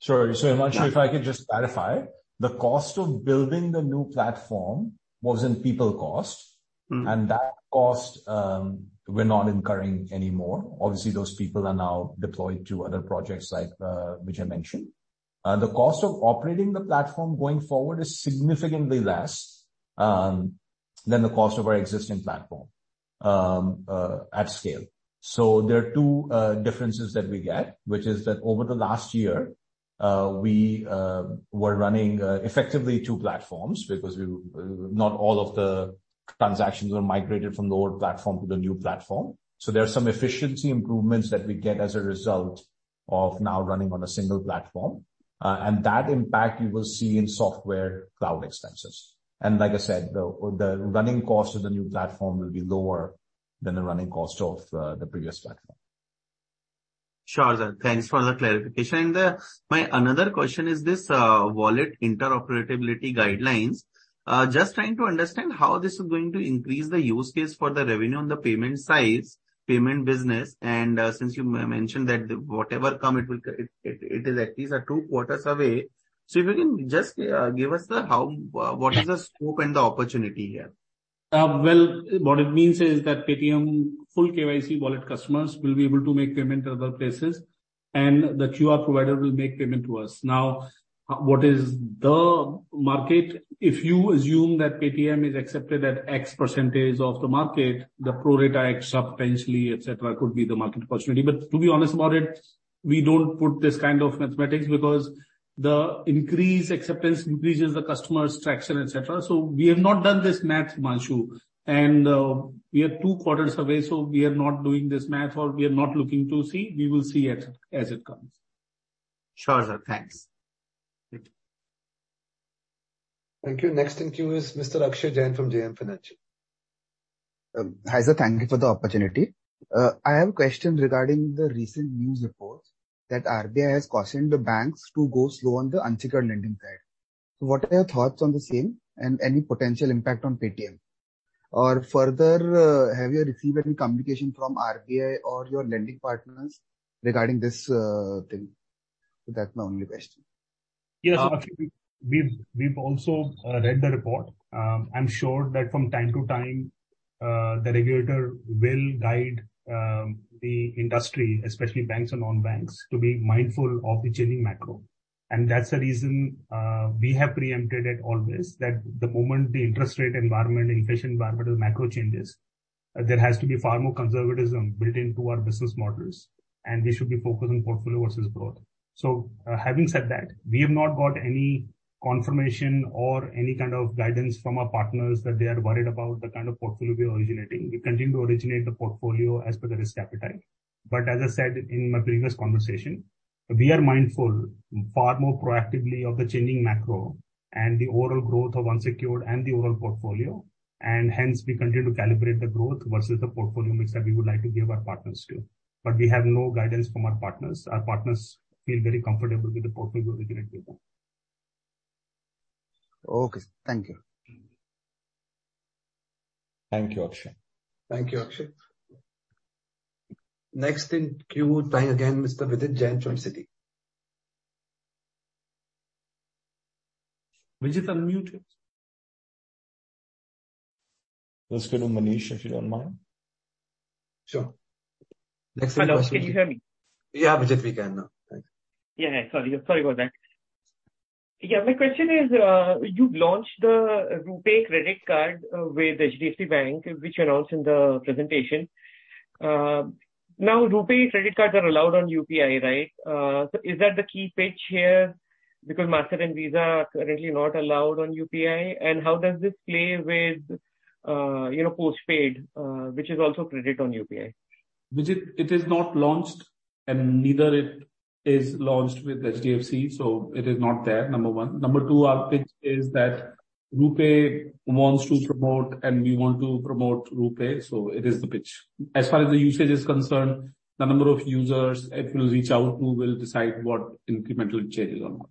Sure. Manshu, if I could just clarify. The cost of building the new platform was in people cost. Mm-hmm. That cost, we're not incurring anymore. Obviously, those people are now deployed to other projects like which I mentioned. The cost of operating the platform going forward is significantly less than the cost of our existing platform at scale. There are two differences that we get, which is that over the last year, we were running effectively two platforms because not all of the transactions were migrated from the old platform to the new platform. There are some efficiency improvements that we get as a result of now running on a single platform. That impact you will see in software cloud expenses. Like I said, the running cost of the new platform will be lower than the running cost of the previous platform. Sure, sir. Thanks for the clarification. My another question is this wallet interoperability guidelines. Just trying to understand how this is going to increase the use case for the revenue on the payment size, payment business. Since you mentioned that whatever come it will it is at least two quarters away. If you can just give us the how, what is the scope and the opportunity here? Well, what it means is that Paytm full KYC wallet customers will be able to make payment to other places, and the QR provider will make payment to us. What is the market? If you assume that Paytm is accepted at X% of the market, the pro rata X potentially, et cetera, could be the market opportunity. To be honest about it, we don't put this kind of mathematics because the increased acceptance increases the customer's traction, et cetera. We have not done this math, Manshu. We are two quarters away, so we are not doing this math or we are not looking to see. We will see it as it comes. Sure, sir. Thanks. Thank you. Thank you. Next in queue is Mr. Akshay Jain from JM Financial. Hi sir, thank you for the opportunity. I have a question regarding the recent news reports that RBI has cautioned the banks to go slow on the unsecured lending side. What are your thoughts on the same and any potential impact on Paytm? Further, have you received any communication from RBI or your lending partners regarding this thing? That's my only question. Yes, Akshay. We've also read the report. I'm sure that from time to time, the regulator will guide the industry, especially banks and non-banks, to be mindful of the changing macro. That's the reason, we have preempted it always, that the moment the interest rate environment, inflation environment or the macro changes, there has to be far more conservatism built into our business models, and we should be focused on portfolio versus growth. Having said that, we have not got any confirmation or any kind of guidance from our partners that they are worried about the kind of portfolio we are originating. We continue to originate the portfolio as per the risk appetite. As I said in my previous conversation, we are mindful far more proactively of the changing macro and the overall growth of unsecured and the overall portfolio. Hence we continue to calibrate the growth versus the portfolio mix that we would like to give our partners too. We have no guidance from our partners. Our partners feel very comfortable with the portfolio we originate with them. Okay. Thank you. Thank you, Akshay. Thank you, Akshay. Next in queue, again, Mr. Vijit Jain from Citi. Vijit, unmute please. Let's go to Manish, if you don't mind. Sure. Next question. Hello. Can you hear me? Yeah, Vijit, we can now. Thanks. Yeah. Sorry. Sorry about that. Yeah, my question is, you've launched the RuPay credit card with HDFC Bank, which you announced in the presentation. Now, RuPay credit cards are allowed on UPI, right? Is that the key pitch here? Because Mastercard and Visa are currently not allowed on UPI. How does this play with, you know, postpaid, which is also credit on UPI? Vijit, it is not launched, and neither it is launched with HDFC, so it is not there, number one. Number two, our pitch is that RuPay wants to promote and we want to promote RuPay, so it is the pitch. As far as the usage is concerned, the number of users it will reach out to will decide what incremental it changes or not.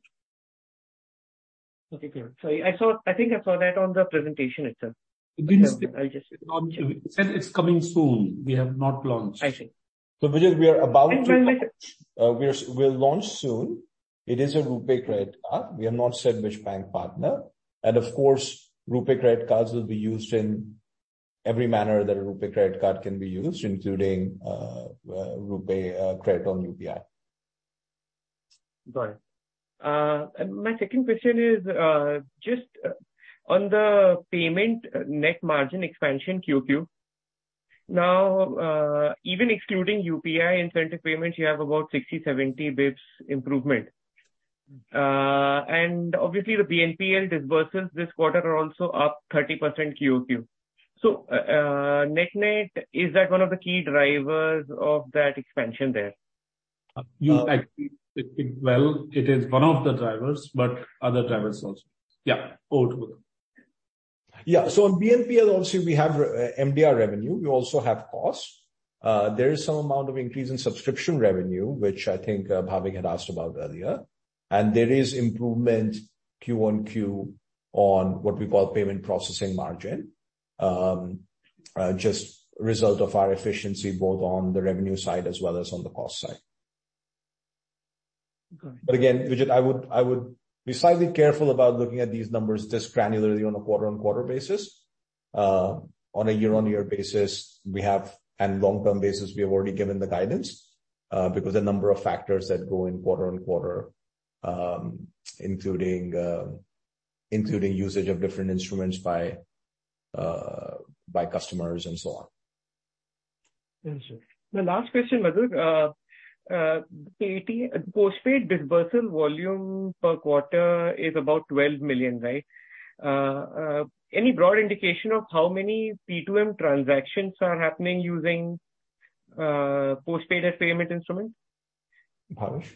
Okay, great. Sorry. I think I saw that on the presentation itself. We didn't say it's launched. We said it's coming soon. We have not launched. I see. Vijit, we are about to. my- We'll launch soon. It is a RuPay credit card. We have not said which bank partner. Of course, RuPay credit cards will be used in every manner that a RuPay credit card can be used, including RuPay credit on UPI. Got it. My second question is, just on the payment net margin expansion quarter-over-quarter. Now, even excluding UPI incentive payments, you have about 60-70 basis improvement. Obviously the BNPL disbursements this quarter are also up 30% QOQ. Net-net, is that one of the key drivers of that expansion there? Well, it is one of the drivers, but other drivers also. Yeah. Both. In BNPL obviously we have MDR revenue. We also have costs. There is some amount of increase in subscription revenue, which I think Bhavik had asked about earlier. There is improvement Q-on-Q on what we call payment processing margin, just result of our efficiency both on the revenue side as well as on the cost side. Got it. Again, Vijit, I would be slightly careful about looking at these numbers this granularly on a quarter-on-quarter basis. On a year-on-year basis, and long-term basis, we have already given the guidance because there are a number of factors that go in quarter on quarter, including usage of different instruments by customers and so on. Understood. The last question, Madhur. Paytm Postpaid disbursement volume per quarter is about 12 million, right? Any broad indication of how many P2M transactions are happening using Paytm Postpaid as payment instrument? Bhavesh?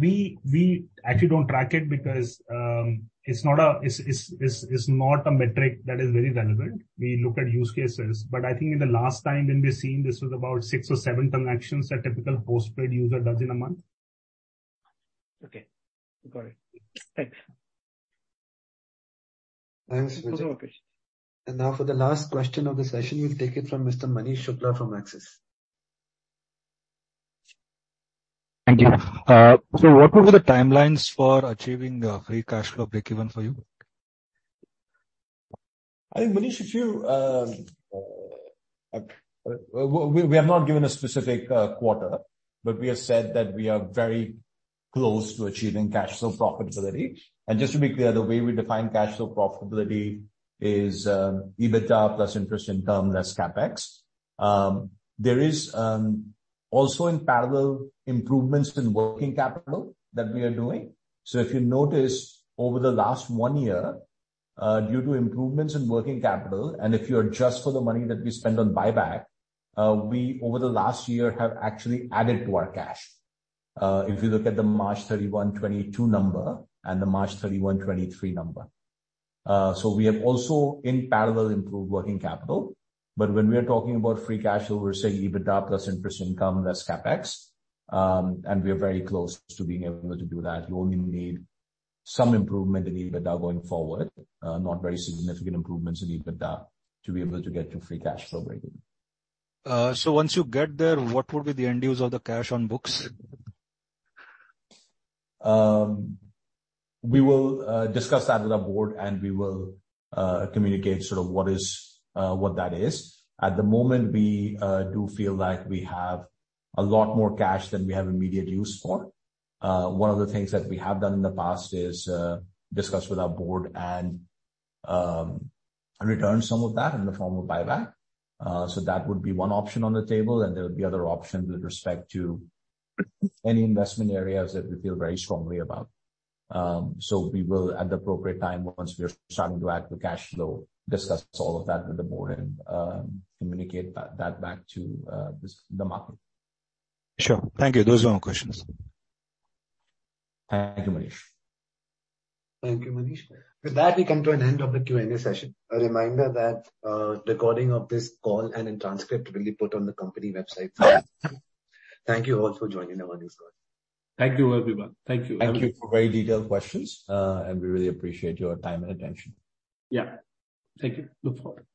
We actually don't track it because it's not a metric that is very relevant. We look at use cases. I think in the last time when we've seen this was about six or seven transactions that typical Paytm Postpaid user does in a month. Okay. Got it. Thanks. Thanks, Vijit. Those are all questions. Now for the last question of the session, we'll take it from Mr. Manish Shukla from Axis. Thank you. What were the timelines for achieving free cash flow breakeven for you? I think, Manish, if you have not given a specific quarter, we have said that we are very close to achieving cash flow profitability. Just to be clear, the way we define cash flow profitability is EBITDA plus interest income less CapEx. There is also in parallel improvements in working capital that we are doing. If you notice over the last one year, due to improvements in working capital, and if you adjust for the money that we spend on buyback, we over the last year have actually added to our cash, if you look at the March 31, 2022 number and the March 31, 2023 number. We have also in parallel improved working capital. When we are talking about free cash flow, we're saying EBITDA plus interest income less CapEx, and we are very close to being able to do that. We only need some improvement in EBITDA going forward, not very significant improvements in EBITDA to be able to get to free cash flow breakeven. Once you get there, what would be the end use of the cash on books? We will discuss that with our board and we will communicate sort of what is what that is. At the moment we do feel like we have a lot more cash than we have immediate use for. One of the things that we have done in the past is discuss with our board and return some of that in the form of buyback. That would be one option on the table, and there would be other options with respect to any investment areas that we feel very strongly about. We will at the appropriate time, once we are starting to add to cash flow, discuss all of that with the board and communicate that back to this, the market. Sure. Thank you. Those are all questions. Thank you, Manish. Thank you, Manish. With that, we come to an end of the Q&A session. A reminder that recording of this call and a transcript will be put on the company website. Thank you all for joining our earnings call. Thank you, everyone. Thank you. Thank you for very detailed questions, and we really appreciate your time and attention. Yeah. Thank you. Look forward.